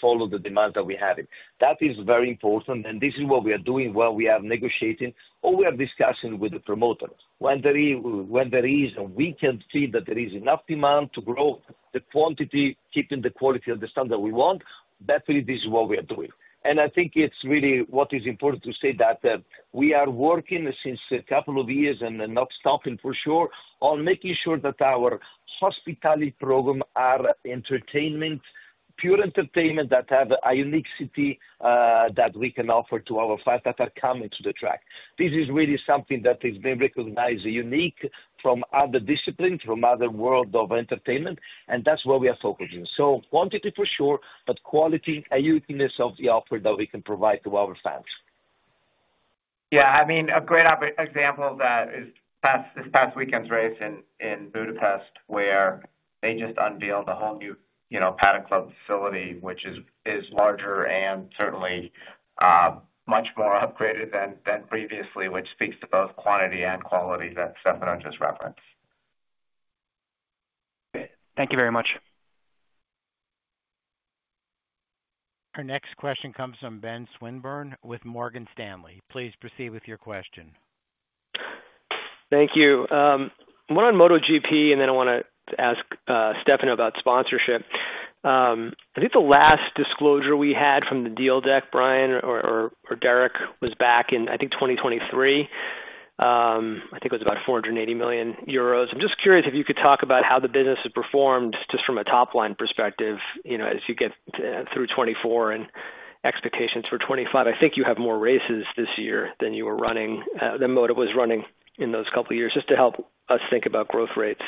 follow the demand that we're having. That is very important. This is what we are doing while we are negotiating or we are discussing with the promoters. When there is, and we can see that there is enough demand to grow the quantity, keeping the quality of the stuff that we want, definitely this is what we are doing. I think it's really what is important to say that we are working since a couple of years and not stopping for sure on making sure that our hospitality programs are entertainment, pure entertainment that have a uniqueness that we can offer to our fans that are coming to the track. This is really something that has been recognized as unique from other disciplines, from other worlds of entertainment. That's where we are focusing. Quantity for sure, but quality and uniqueness of the offer that we can provide to our fans. Yeah, I mean, a great example of that is this past weekend's race in Budapest, where they just unveiled a whole new Paddock Club facility, which is larger and certainly much more upgraded than previously, which speaks to both quantity and quality that Stefano just referenced. Thank you very much. Our next question comes from Ben Swinburne with Morgan Stanley. Please proceed with your question. Thank you. One on MotoGP, and then I want to ask Stefano about sponsorship. I think the last disclosure we had from the deal deck, Brian or Derek, was back in, I think, 2023. I think it was about 480 million euros. I'm just curious if you could talk about how the business has performed just from a top-line perspective, as you get through 2024 and expectations for 2025. I think you have more races this year than you were running, than Moto was running in those couple of years, just to help us think about growth rates.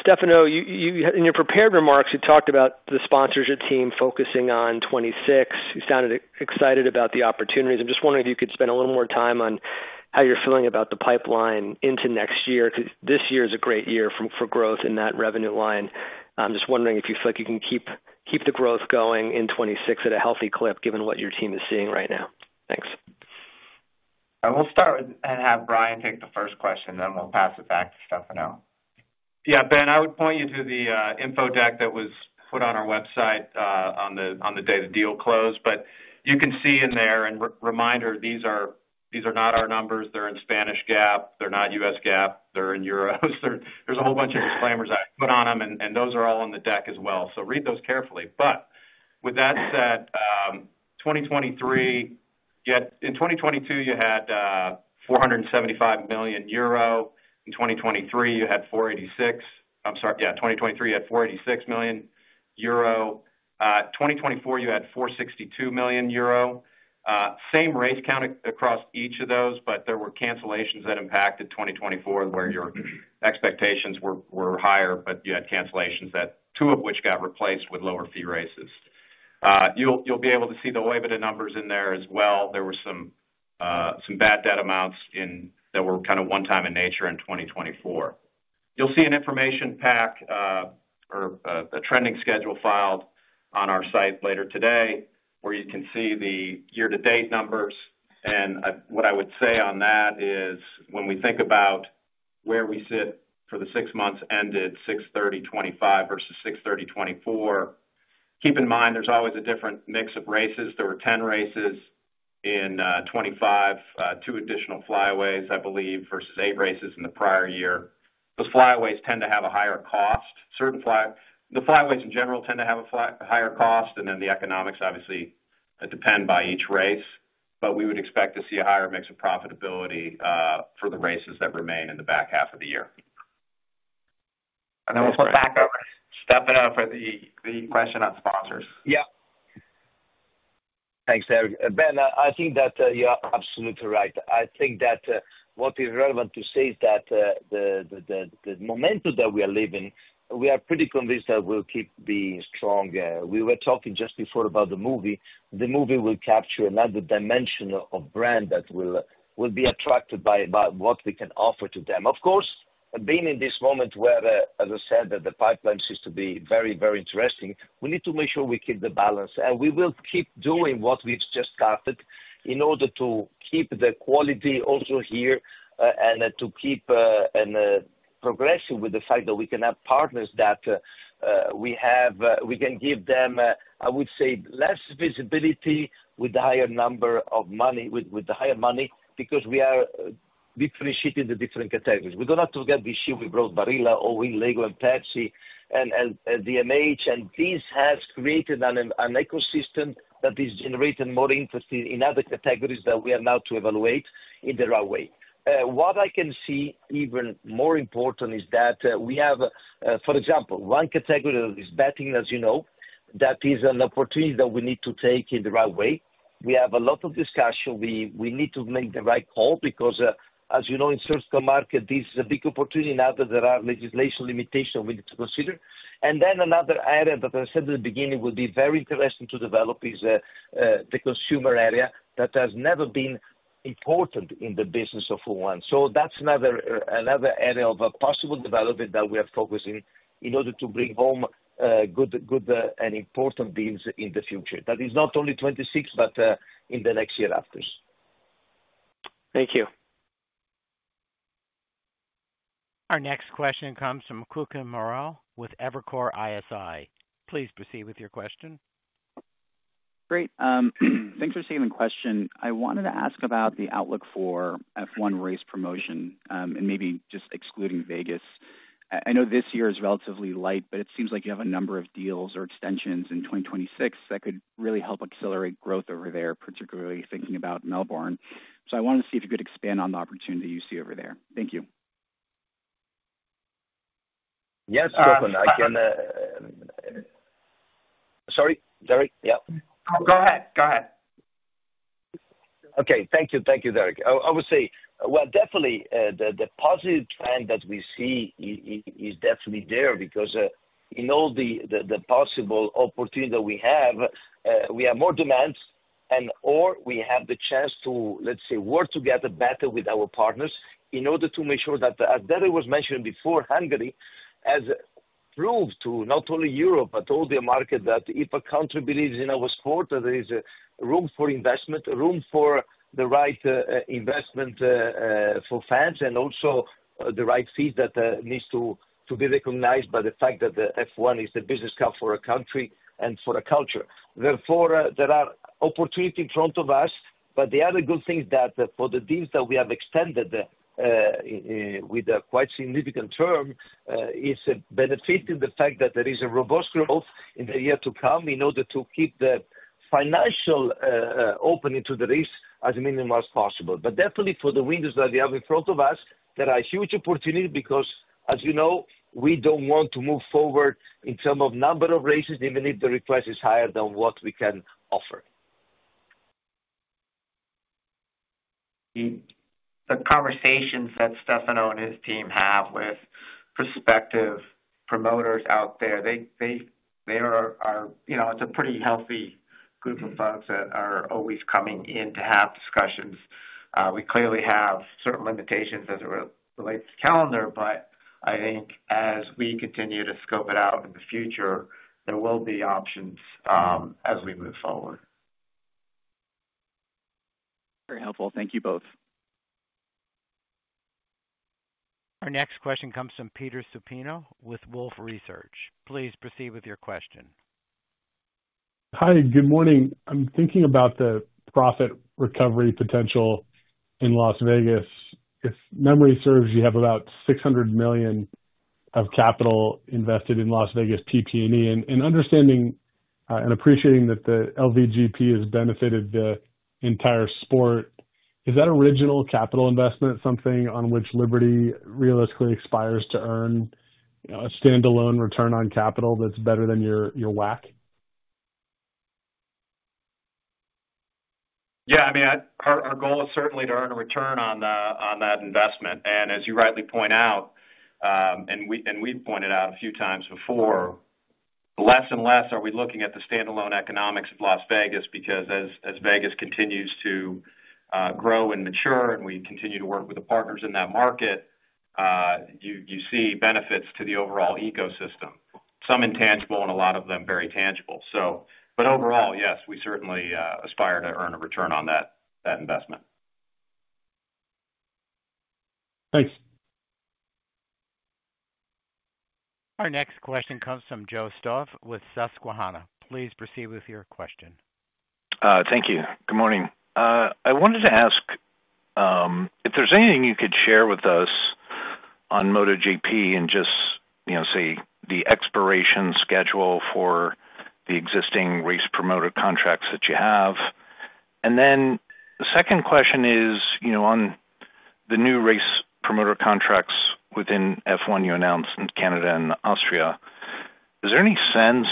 Stefano, in your prepared remarks, you talked about the sponsorship team focusing on 2026. You sounded excited about the opportunities. I'm just wondering if you could spend a little more time on how you're feeling about the pipeline into next year, because this year is a great year for growth in that revenue line. I'm just wondering if you feel like you can keep the growth going in 2026 at a healthy clip, given what your team is seeing right now. Thanks. I will start and have Brian take the first question, then we'll pass it back to Stefano. Yeah, Ben, I would point you to the info deck that was put on our website on the day the deal closed. You can see in there, and reminder, these are not our numbers. They're in Spanish GAAP, not U.S. GAAP. They're in euros. There's a whole bunch of disclaimers I put on them, and those are all on the deck as well, so read those carefully. With that said, 2022, you had 475 million euro. In 2023, you had 486 million. I'm sorry, yeah, 2023, you had 486 million euro. In 2024, you had 462 million euro. Same race count across each of those, but there were cancellations that impacted 2024, where your expectations were higher, but you had cancellations, two of which got replaced with lower fee races. You'll be able to see the way that the numbers are in there as well. There were some bad debt amounts that were kind of one-time in nature in 2024. You'll see an information pack or a trending schedule filed on our site later today, where you can see the year-to-date numbers. What I would say on that is when we think about where we sit for the six months ended 6/30/25 versus 6/30/24, keep in mind there's always a different mix of races. There were 10 races in 2025, two additional flyaways, I believe, versus eight races in the prior year. Those flyaways tend to have a higher cost. Certain flyaways in general tend to have a higher cost, and then the economics obviously depend by each race. We would expect to see a higher mix of profitability for the races that remain in the back half of the year. I will flip back to Stefano for the question on sponsors. Yeah. Thanks, Derek. Ben, I think that you are absolutely right. I think that what is relevant to say is that the momentum that we are living, we are pretty convinced that we'll keep being strong. We were talking just before about the movie. The movie will capture another dimension of brand that will be attracted by what we can offer to them. Of course, being in this moment where, as I said, the pipeline seems to be very, very interesting, we need to make sure we keep the balance. We will keep doing what we've just started in order to keep the quality also here and to keep progressing with the fact that we can have partners that we have, we can give them, I would say, less visibility with a higher amount of money, with higher money, because we are differentiating the different categories. We don't have to forget this year we brought Barilla, Allwyn, LEGO, and Pepsi, and LVMH, and this has created an ecosystem that is generating more interest in other categories that we are now to evaluate in the right way. What I can see even more important is that we have, for example, one category that is betting, as you know, that is an opportunity that we need to take in the right way. We have a lot of discussion. We need to make the right call because, as you know, in the circular market, this is a big opportunity now that there are legislation limitations we need to consider. Another area that I said at the beginning would be very interesting to develop is the consumer area that has never been important in the business of Formula One. That's another area of a possible development that we are focusing on in order to bring home good and important beams in the future. That is not only 2026, but in the next year after. Thank you. Our next question comes from Kutgun Maral with Evercore ISI. Please proceed with your question. Great. Thanks for taking the question. I wanted to ask about the outlook for F1 race promotion and maybe just excluding Vegas. I know this year is relatively light, but it seems like you have a number of deals or extensions in 2026 that could really help accelerate growth over there, particularly thinking about Melbourne. I wanted to see if you could expand on the opportunity you see over there. Thank you. Yes, Kutgun. Sorry, Derek. Yeah. Go ahead. Go ahead. Okay, thank you. Thank you, Derek. I will say, definitely the positive trend that we see is definitely there because in all the possible opportunities that we have, we have more demand and/or we have the chance to, let's say, work together better with our partners in order to make sure that, as Derek was mentioning before, Hungary has proved to not only Europe, but all the markets that if a country believes in our sport, there is room for investment, room for the right investment for fans, and also the right fees that need to be recognized by the fact that F1 is the business card for a country and for a culture. Therefore, there are opportunities in front of us. The other good thing is that for the deals that we have extended with a quite significant term, it's benefiting the fact that there is a robust growth in the year to come in order to keep the financial opening to the race as minimal as possible. Definitely for the windows that we have in front of us, there are huge opportunities because, as you know, we don't want to move forward in terms of number of races, even if the request is higher than what we can offer. The conversations that Stefano and his team have with prospective promoters out there, they are a pretty healthy group of folks that are always coming in to have discussions. We clearly have certain limitations as it relates to the calendar, but I think as we continue to scope it out in the future, there will be options as we move forward. Very helpful. Thank you both. Our next question comes from Peter Supino with Wolfe Research. Please proceed with your question. Hi, good morning. I'm thinking about the profit recovery potential in Las Vegas. If memory serves, you have about $600 million of capital invested in Las Vegas PP&E. In understanding and appreciating that the LVGP has benefited the entire sport, is that original capital investment something on which Liberty realistically aspires to earn a standalone return on capital that's better than your WACC? Yeah, I mean, our goal is certainly to earn a return on that investment. As you rightly point out, and we've pointed out a few times before, less and less are we looking at the standalone economics of Las Vegas because as Vegas continues to grow and mature and we continue to work with the partners in that market, you see benefits to the overall ecosystem, some intangible and a lot of them very tangible. Overall, yes, we certainly aspire to earn a return on that investment. Thanks. Our next question comes from Joe Stauff with Susquehanna. Please proceed with your question. Thank you. Good morning. I wanted to ask if there's anything you could share with us on MotoGP and the expiration schedule for the existing race promoter contracts that you have. The second question is, on the new race promoter contracts within F1 you announced in Canada and Austria, is there any sense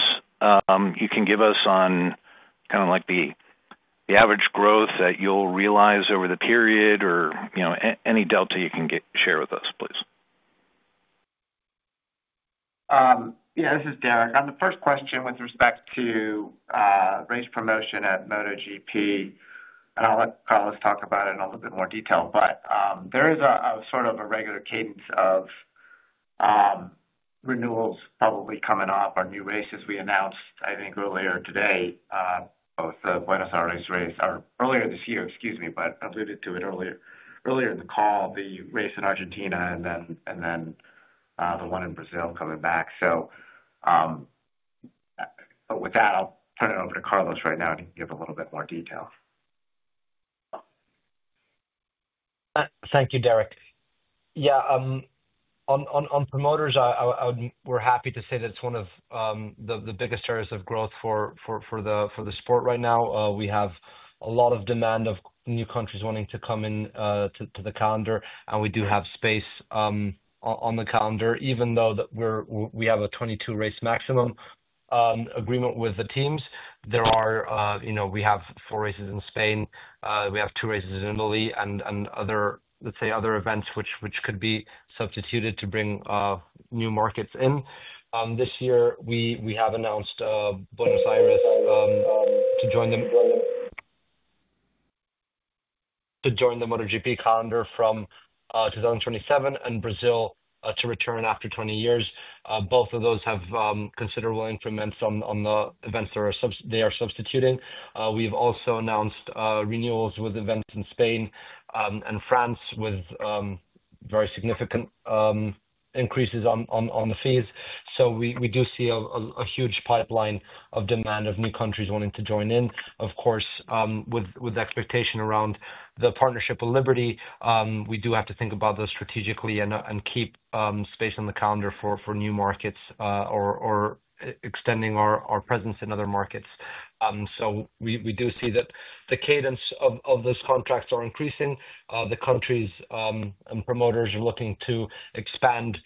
you can give us on the average growth that you'll realize over the period or any delta you can share with us, please? Yeah, this is Derek. On the first question with respect to race promotion at MotoGP, I'll let Carmelo talk about it in a little bit more detail, but there is a sort of a regular cadence of renewals probably coming up or new races we announced, I think, earlier today, both the Buenos Aires race or earlier this year, excuse me, but alluded to it earlier in the call, the race in Argentina, and then the one in Brazil coming back. With that, I'll turn it over to Carmelo right now to give a little bit more detail. Thank you, Derek. On promoters, we're happy to say that it's one of the biggest areas of growth for the sport right now. We have a lot of demand of new countries wanting to come into the calendar, and we do have space on the calendar, even though we have a 22 race maximum agreement with the teams. We have four races in Spain, we have two races in Italy, and other, let's say, other events which could be substituted to bring new markets in. This year, we have announced Buenos Aires to join the MotoGP calendar from 2027 and Brazil to return after 20 years. Both of those have considerable increments on the events they are substituting. We've also announced renewals with events in Spain and France with very significant increases on the fees. We do see a huge pipeline of demand of new countries wanting to join in. Of course, with the expectation around the partnership with Liberty, we do have to think about those strategically and keep space on the calendar for new markets or extending our presence in other markets. We do see that the cadence of those contracts is increasing. The countries and promoters are looking to expand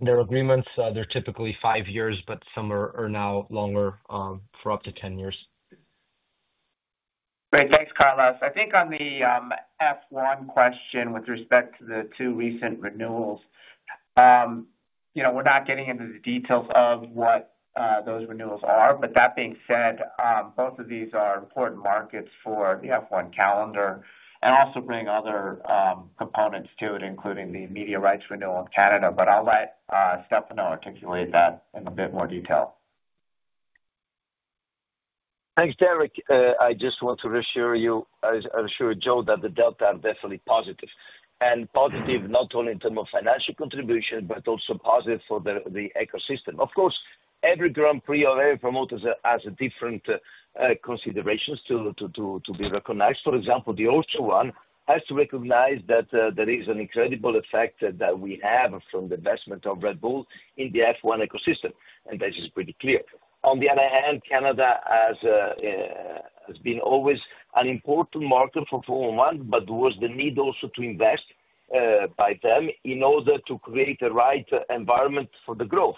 their agreements. They're typically five years, but some are now longer for up to 10 years. Great, thanks, Carmelo. I think on the F1 question with respect to the two recent renewals, we're not getting into the details of what those renewals are. That being said, both of these are important markets for the F1 calendar and also bring other components to it, including the media rights renewal in Canada. I'll let Stefano articulate that in a bit more detail. Thanks, Derek. I just want to reassure you, I assure Joe, that the delta are definitely positive. Positive not only in terms of financial contribution, but also positive for the ecosystem. Of course, every Grand Prix or every promoter has different considerations to be recognized. For example, the Austrian has to recognize that there is an incredible effect that we have from the investment of Red Bull in the F1 ecosystem, and that is pretty clear. On the other hand, Canada has been always an important market for Formula One, but there was the need also to invest by them in order to create the right environment for the growth.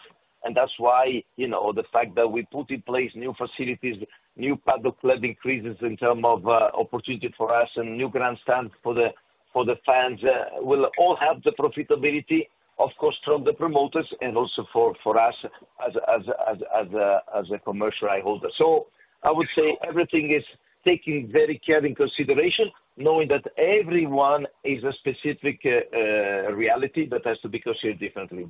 That's why the fact that we put in place new facilities, new public cloud increases in terms of opportunity for us, and new grandstands for the fans will all have the profitability, of course, from the promoters and also for us as a commercial eye holder. I would say everything is taken very carefully into consideration, knowing that everyone is a specific reality that has to be considered differently.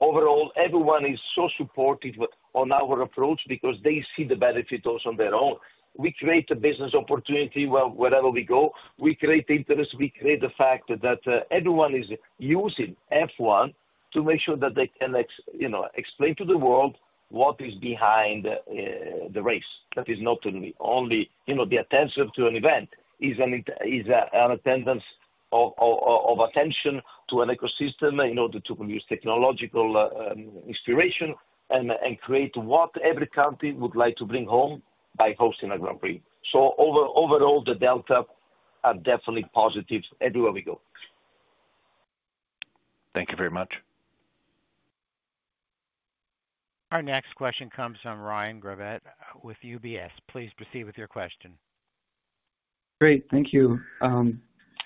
Overall, everyone is so supportive on our approach because they see the benefit also on their own. We create the business opportunity wherever we go. We create interest. We create the fact that everyone is using F1 to make sure that they can, you know, explain to the world what is behind the race. That is not only, you know, the attention to an event is an attendance of attention to an ecosystem in order to produce technological inspiration and create what every country would like to bring home by hosting a Grand Prix. Overall, the delta are definitely positive everywhere we go. Thank you very much. Our next question comes from Ryan Gravett with UBS. Please proceed with your question. Great, thank you.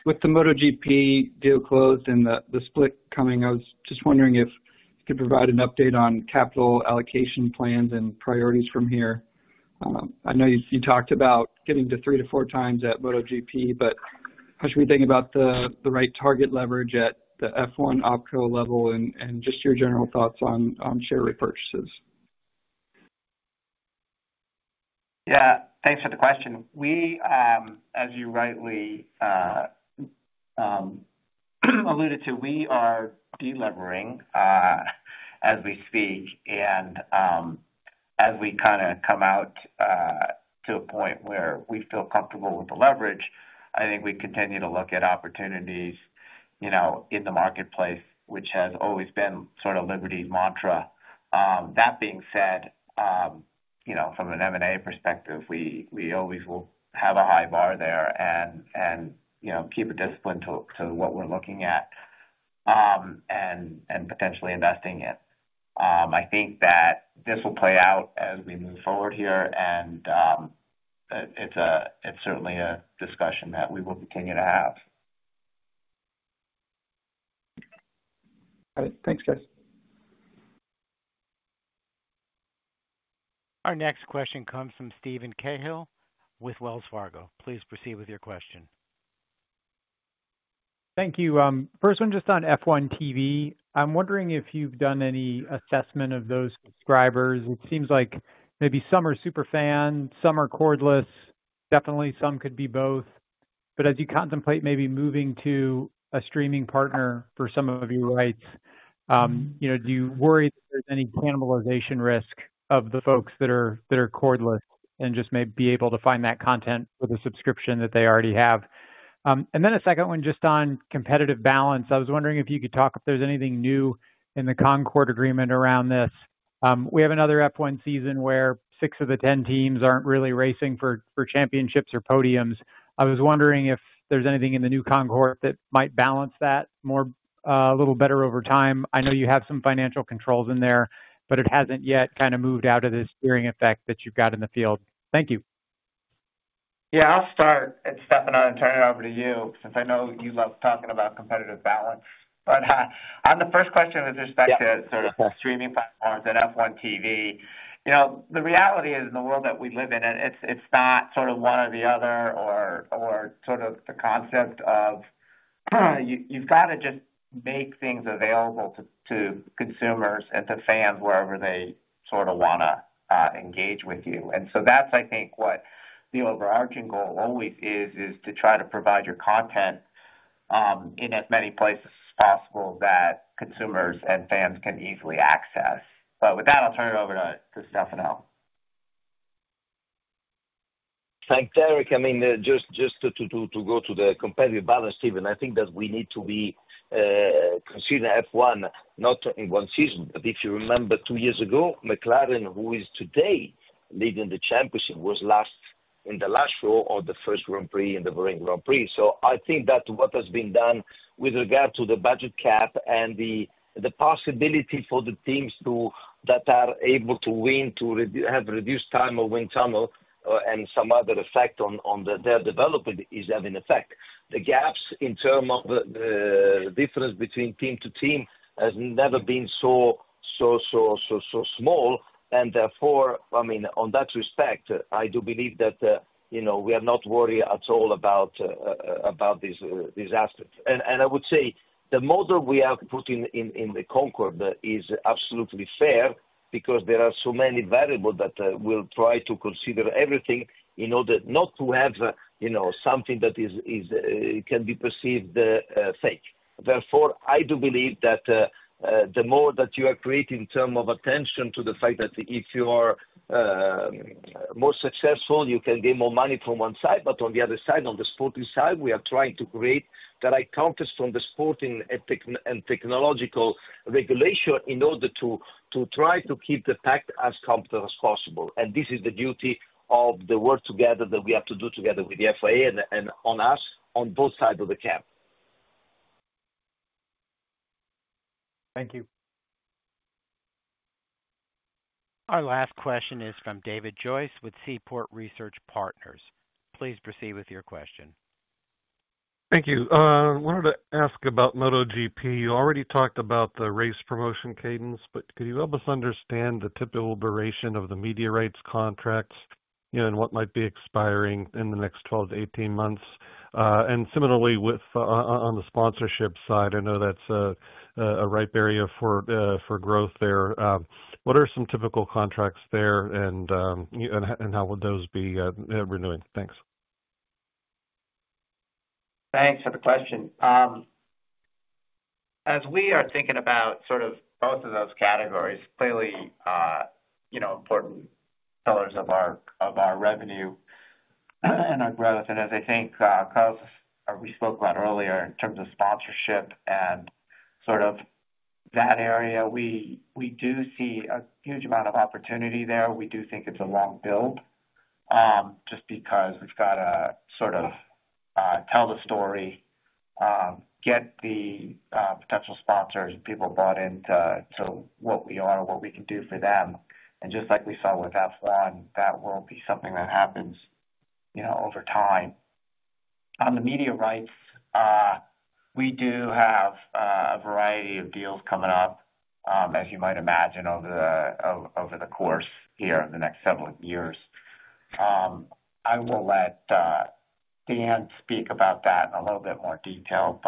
With the MotoGP deal closed and the split coming, I was just wondering if you could provide an update on capital allocation plans and priorities from here. I know you talked about getting to 3x-4x at MotoGP, but how should we think about the right target leverage at the F1 opco level and just your general thoughts on share repurchases? Yeah, thanks for the question. We, as you rightly alluded to, we are delevering as we speak. As we kind of come out to a point where we feel comfortable with the leverage, I think we continue to look at opportunities in the marketplace, which has always been sort of Liberty's mantra. That being said, from an M&A perspective, we always will have a high bar there and keep a discipline to what we're looking at and potentially investing in. I think that this will play out as we move forward here, and it's certainly a discussion that we will continue to have. Thanks, guys. Our next question comes from Steven Cahall with Wells Fargo. Please proceed with your question. Thank you. First one, just on F1 TV. I'm wondering if you've done any assessment of those subscribers. It seems like maybe some are super fans, some are cordless. Definitely, some could be both. As you contemplate maybe moving to a streaming partner for some of your rights, do you worry that there's any cannibalization risk of the folks that are cordless and just may be able to find that content with a subscription that they already have? A second one just on competitive balance. I was wondering if you could talk if there's anything new in the Concorde Agreement around this. We have another F1 season where six of the 10 teams aren't really racing for championships or podiums. I was wondering if there's anything in the new Concorde that might balance that more a little better over time. I know you have some financial controls in there, but it hasn't yet kind of moved out of this steering effect that you've got in the field. Thank you. Yeah, I'll start, Stefano, and turn it over to you since I know you love talking about competitive balance. On the first question with respect to the streaming platforms and F1 TV, the reality is in the world that we live in, it's not one or the other or the concept of you've got to just make things available to consumers and to fans wherever they want to engage with you. That's, I think, what the overarching goal always is, to try to provide your content in as many places as possible that consumers and fans can easily access. With that, I'll turn it over to Stefano. Thanks, Derek. I mean, just to go to the competitive balance, Stephen, I think that we need to be considering F1 not in one season. If you remember two years ago, McLaren, who is today leading the championship, was last in the last show or the first Grand Prix in the Bahrain Grand Prix. I think that what has been done with regard to the budget cap and the possibility for the teams that are able to win, to have reduced time or win some and some other effect on their development is having effect. The gaps in terms of the difference between team to team have never been so, so, so, so, so small. Therefore, I mean, on that respect, I do believe that, you know, we are not worried at all about these disasters. I would say the model we have put in the Concorde is absolutely fair because there are so many variables that we'll try to consider everything in order not to have, you know, something that can be perceived fake. Therefore, I do believe that the more that you are creating in terms of attention to the fact that if you are more successful, you can gain more money from one side, but on the other side, on the sporting side, we are trying to create the right context from the sporting and technological regulation in order to try to keep the pack as competent as possible. This is the duty of the work together that we have to do together with the FIA and on us on both sides of the camp. Thank you. Our last question is from David Joyce with Seaport Research Partners. Please proceed with your question. Thank you. I wanted to ask about MotoGP. You already talked about the race promotion cadence, but could you help us understand the typical duration of the media rights contracts, you know, and what might be expiring in the next 12 months-18 months? Similarly, on the sponsorship side, I know that's a ripe area for growth there. What are some typical contracts there and how would those be renewing? Thanks. Thanks for the question. As we are thinking about sort of both of those categories, clearly, you know, important pillars of our revenue and our growth. As I think, Carmelo, we spoke about earlier in terms of sponsorship and sort of that area, we do see a huge amount of opportunity there. We do think it's a long build just because we've got to sort of tell the story, get the potential sponsors and people brought into what we are and what we can do for them. Just like we saw with F1, that will be something that happens, you know, over time. On the media rights, we do have a variety of deals coming up, as you might imagine, over the course here in the next several years. I will let Dan speak about that in a little bit more detail.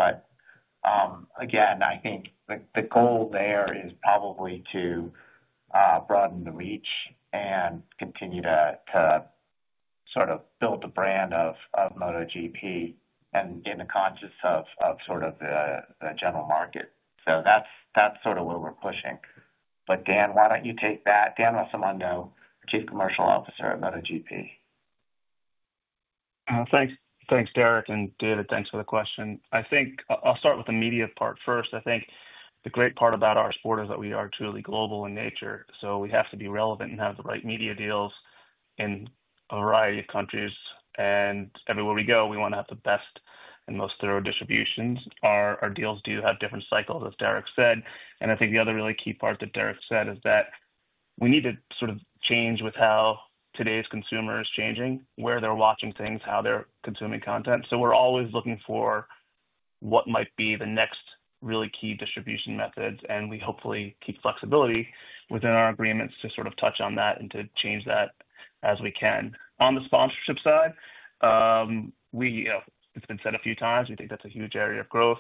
Again, I think the goal there is probably to broaden the reach and continue to sort of build the brand of MotoGP and in the conscience of sort of the general market. That's sort of what we're pushing. Dan, why don't you take that? Dan Rossomondo, Chief Commercial Officer at MotoGP. Thanks, thanks Derek and David. Thanks for the question. I think I'll start with the media part first. I think the great part about our sport is that we are truly global in nature. We have to be relevant and have the right media deals in a variety of countries. Everywhere we go, we want to have the best and most thorough distributions. Our deals do have different cycles. As Derek said, and I think the other really key part that Derek said is that we need to sort of change with how today's consumer is changing, where they're watching things, how they're consuming content. We're always looking for what might be the next really key distribution methods, and we hopefully keep flexibility within our agreements to sort of touch on that and to change that as we can. On the sponsorship side, we think that's a huge area of growth.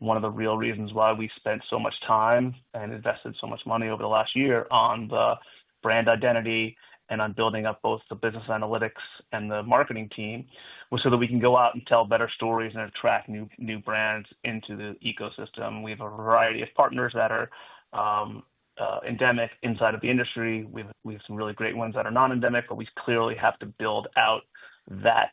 One of the real reasons why we spent so much time and invested so much money over the last year on the brand identity and on building up both the business analytics and the marketing team was so that we can go out and tell better stories and attract new brands into the ecosystem. We have a variety of partners that are endemic inside of the industry. We have some really great ones that are non-endemic, but we clearly have to build out that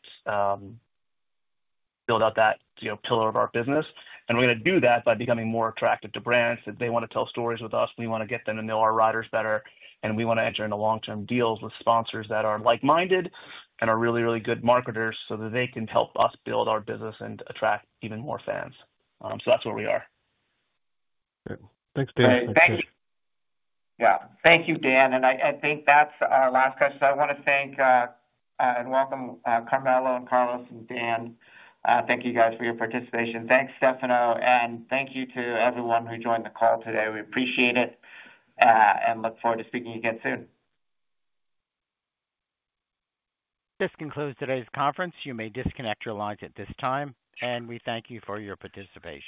pillar of our business. We're going to do that by becoming more attractive to brands, that they want to tell stories with us, we want to get them to know our riders better, and we want to enter into long-term deals with sponsors that are like-minded and are really, really good marketers so that they can help us build our business and attract even more fans. That's where we are. Thanks, Dan. Thank you. Thank you, Dan. I think that's our last question. I want to thank and welcome Carmelo and Carlos and Dan. Thank you guys for your participation. Thanks, Stefano, and thank you to everyone who joined the call today. We appreciate it and look forward to speaking again soon. This concludes today's conference. You may disconnect your lines at this time, and we thank you for your participation.